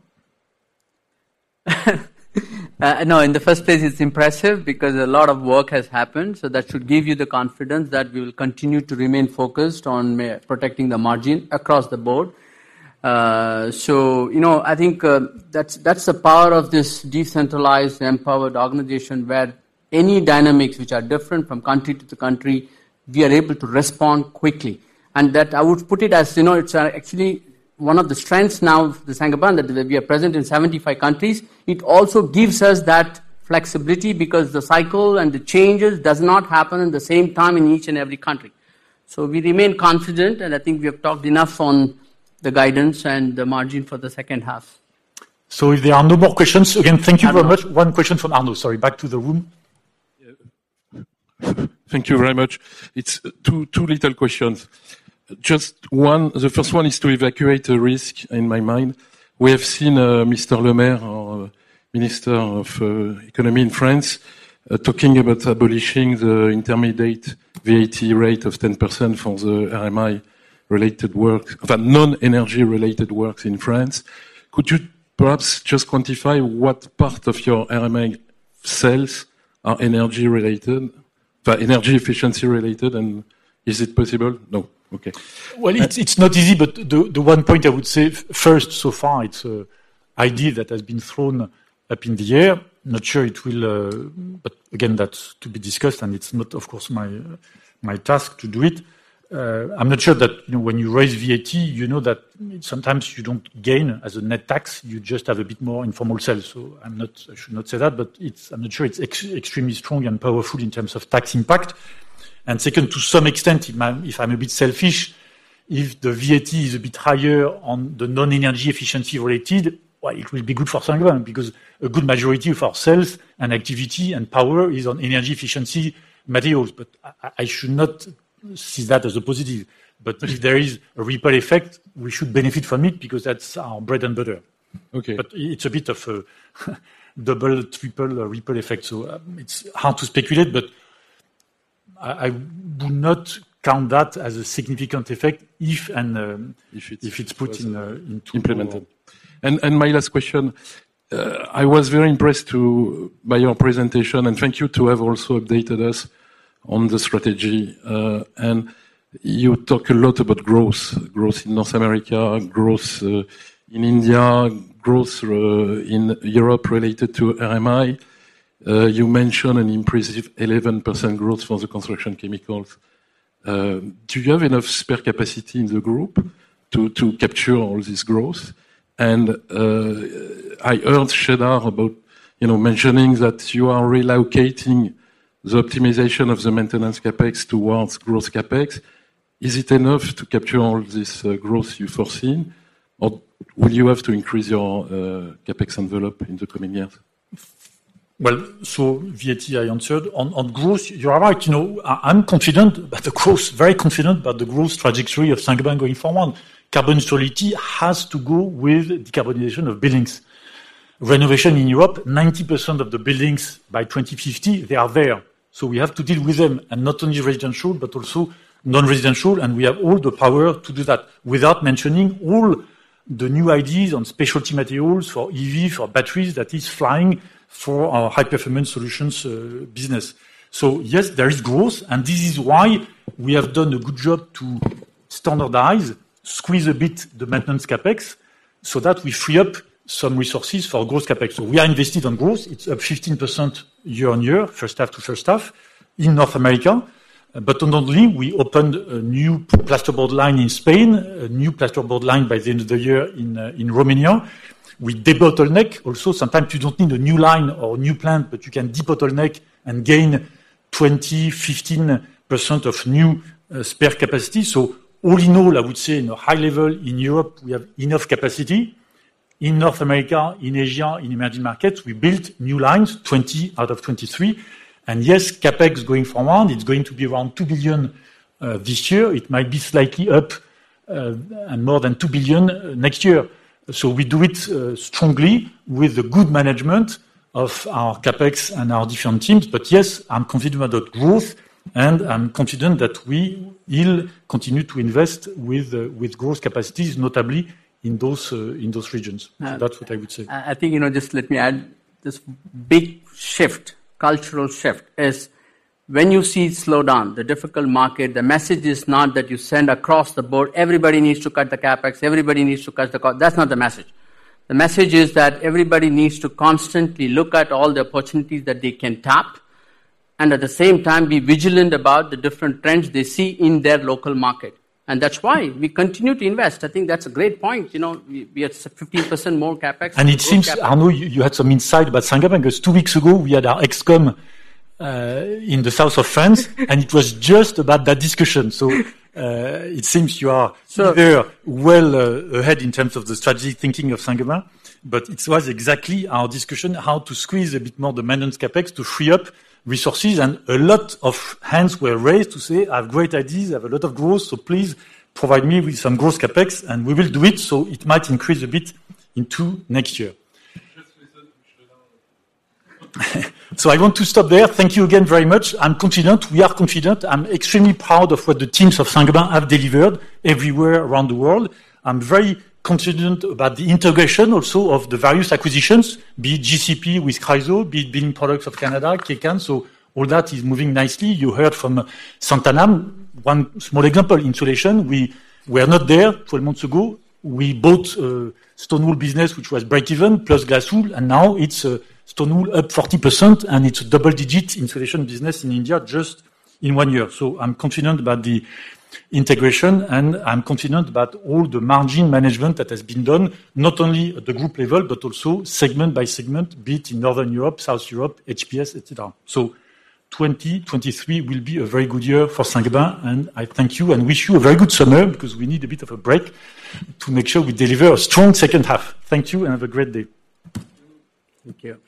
No, in the first place, it's impressive because a lot of work has happened, so that should give you the confidence that we will continue to remain focused on protecting the margin across the board. you know, I think, that's the power of this decentralized, empowered organization, where any dynamics which are different from country to country, we are able to respond quickly. That I would put it as, you know, it's actually one of the strengths now of the Saint-Gobain, that we are present in 75 countries. It also gives us that flexibility because the cycle and the changes does not happen in the same time in each and every country. We remain confident, and I think we have talked enough on the guidance and the margin for the second half. If there are no more questions, again, thank you very much. One question from Arnaud. Sorry, back to the room. Yeah. Thank you very much. It's two little questions. Just one, the first one is to evacuate a risk in my mind. We have seen Mr. Le Maire, our Minister of Economy in France, talking about abolishing the intermediate VAT rate of 10% for the RMI related work, for non-energy-related works in France. Could you perhaps just quantify what part of your RMI sales are energy related, energy efficiency related, and is it possible? No. Okay. Well, it's not easy, but the one point I would say first so far, it's an idea that has been thrown up in the air. Not sure it will. Again, that's to be discussed, and it's not, of course, my task to do it. I'm not sure that, you know, when you raise VAT, you know that sometimes you don't gain as a net tax, you just have a bit more informal sales. I should not say that, but it's, I'm not sure it's extremely strong and powerful in terms of tax impact. Second, to some extent, if I'm a bit selfish, if the VAT is a bit higher on the non-energy efficiency related, well, it will be good for Saint-Gobain, because a good majority of our sales and activity and power is on energy efficiency materials. I should not see that as a positive. If there is a ripple effect, we should benefit from it, because that's our bread and butter. Okay. It's a bit of a double, triple ripple effect, so it's hard to speculate, but I would not count that as a significant effect if, and. If it's-... if it's put in. Implemented. My last question. I was very impressed by your presentation, and thank you to have also updated us on the strategy. You talk a lot about growth in North America, growth in India, growth in Europe related to RMI. You mentioned an impressive 11% growth for the construction chemicals. Do you have enough spare capacity in the group to capture all this growth? I heard Sreedhar about, you know, mentioning that you are relocating the optimization of the maintenance CapEx towards growth CapEx. Is it enough to capture all this growth you foreseen, or will you have to increase your CapEx envelope in the coming years? VLT, I answered. On growth, you are right. You know, I'm confident about the growth, very confident about the growth trajectory of Saint-Gobain going forward. Carbon neutrality has to go with decarbonization of buildings. Renovation in Europe, 90% of the buildings by 2050, they are there, we have to deal with them, not only residential, but also non-residential, we have all the power to do that, without mentioning all the new ideas on specialty materials for EV, for batteries, that is flying for our High Performance Solutions business. Yes, there is growth, this is why we have done a good job to standardize, squeeze a bit the maintenance CapEx, that we free up some resources for growth CapEx. We are invested on growth. It's up 15% year-over-year, first half to first half in North America. Not only, we opened a new plasterboard line in Spain, a new plasterboard line by the end of the year in Romania. We debottleneck also. Sometimes you don't need a new line or a new plant, but you can debottleneck and gain 20%, 15% of new spare capacity. All in all, I would say in a high level, in Europe, we have enough capacity. In North America, in Asia, in emerging markets, we built new lines, 20 out of 23. Yes, CapEx going forward, it's going to be around 2 billion this year. It might be slightly up and more than 2 billion next year. We do it strongly with the good management of our CapEx and our different teams. Yes, I'm confident about growth, and I'm confident that we will continue to invest with growth capacities, notably in those regions. That's what I would say. I think, you know, just let me add this big shift, cultural shift is when you see slowdown, the difficult market, the message is not that you send across the board, "Everybody needs to cut the CapEx, everybody needs to cut the cost." That's not the message. The message is that everybody needs to constantly look at all the opportunities that they can tap, and at the same time, be vigilant about the different trends they see in their local market. That's why we continue to invest. I think that's a great point. You know, we had 15% more CapEx. It seems, Arnaud, you had some insight about Saint-Gobain, because two weeks ago, we had our ExCom in the south of France, and it was just about that discussion. It seems you are very well ahead in terms of the strategic thinking of Saint-Gobain, but it was exactly our discussion, how to squeeze a bit more the maintenance CapEx to free up resources. A lot of hands were raised to say, "I have great ideas, I have a lot of growth, so please provide me with some growth CapEx," and we will do it, so it might increase a bit into next year. I want to stop there. Thank you again very much. I'm confident. We are confident. I'm extremely proud of what the teams of Saint-Gobain have delivered everywhere around the world. I'm very confident about the integration also of the various acquisitions, be it GCP with Chryso, be it Building Products of Canada, Kaycan. All that is moving nicely. You heard from Saint-Gobain. One small example, insulation. We were not there 12 months ago. We bought stone wool business, which was break-even, plus glass wool, and now it's stone wool up 40%, and it's double-digit insulation business in India just in one year. I'm confident about the integration, and I'm confident about all the margin management that has been done, not only at the group level, but also segment by segment, be it in Northern Europe, South Europe, HPS, et cetera. 2023 will be a very good year for Saint-Gobain, and I thank you and wish you a very good summer, because we need a bit of a break to make sure we deliver a strong second half. Thank you, and have a great day. Thank you.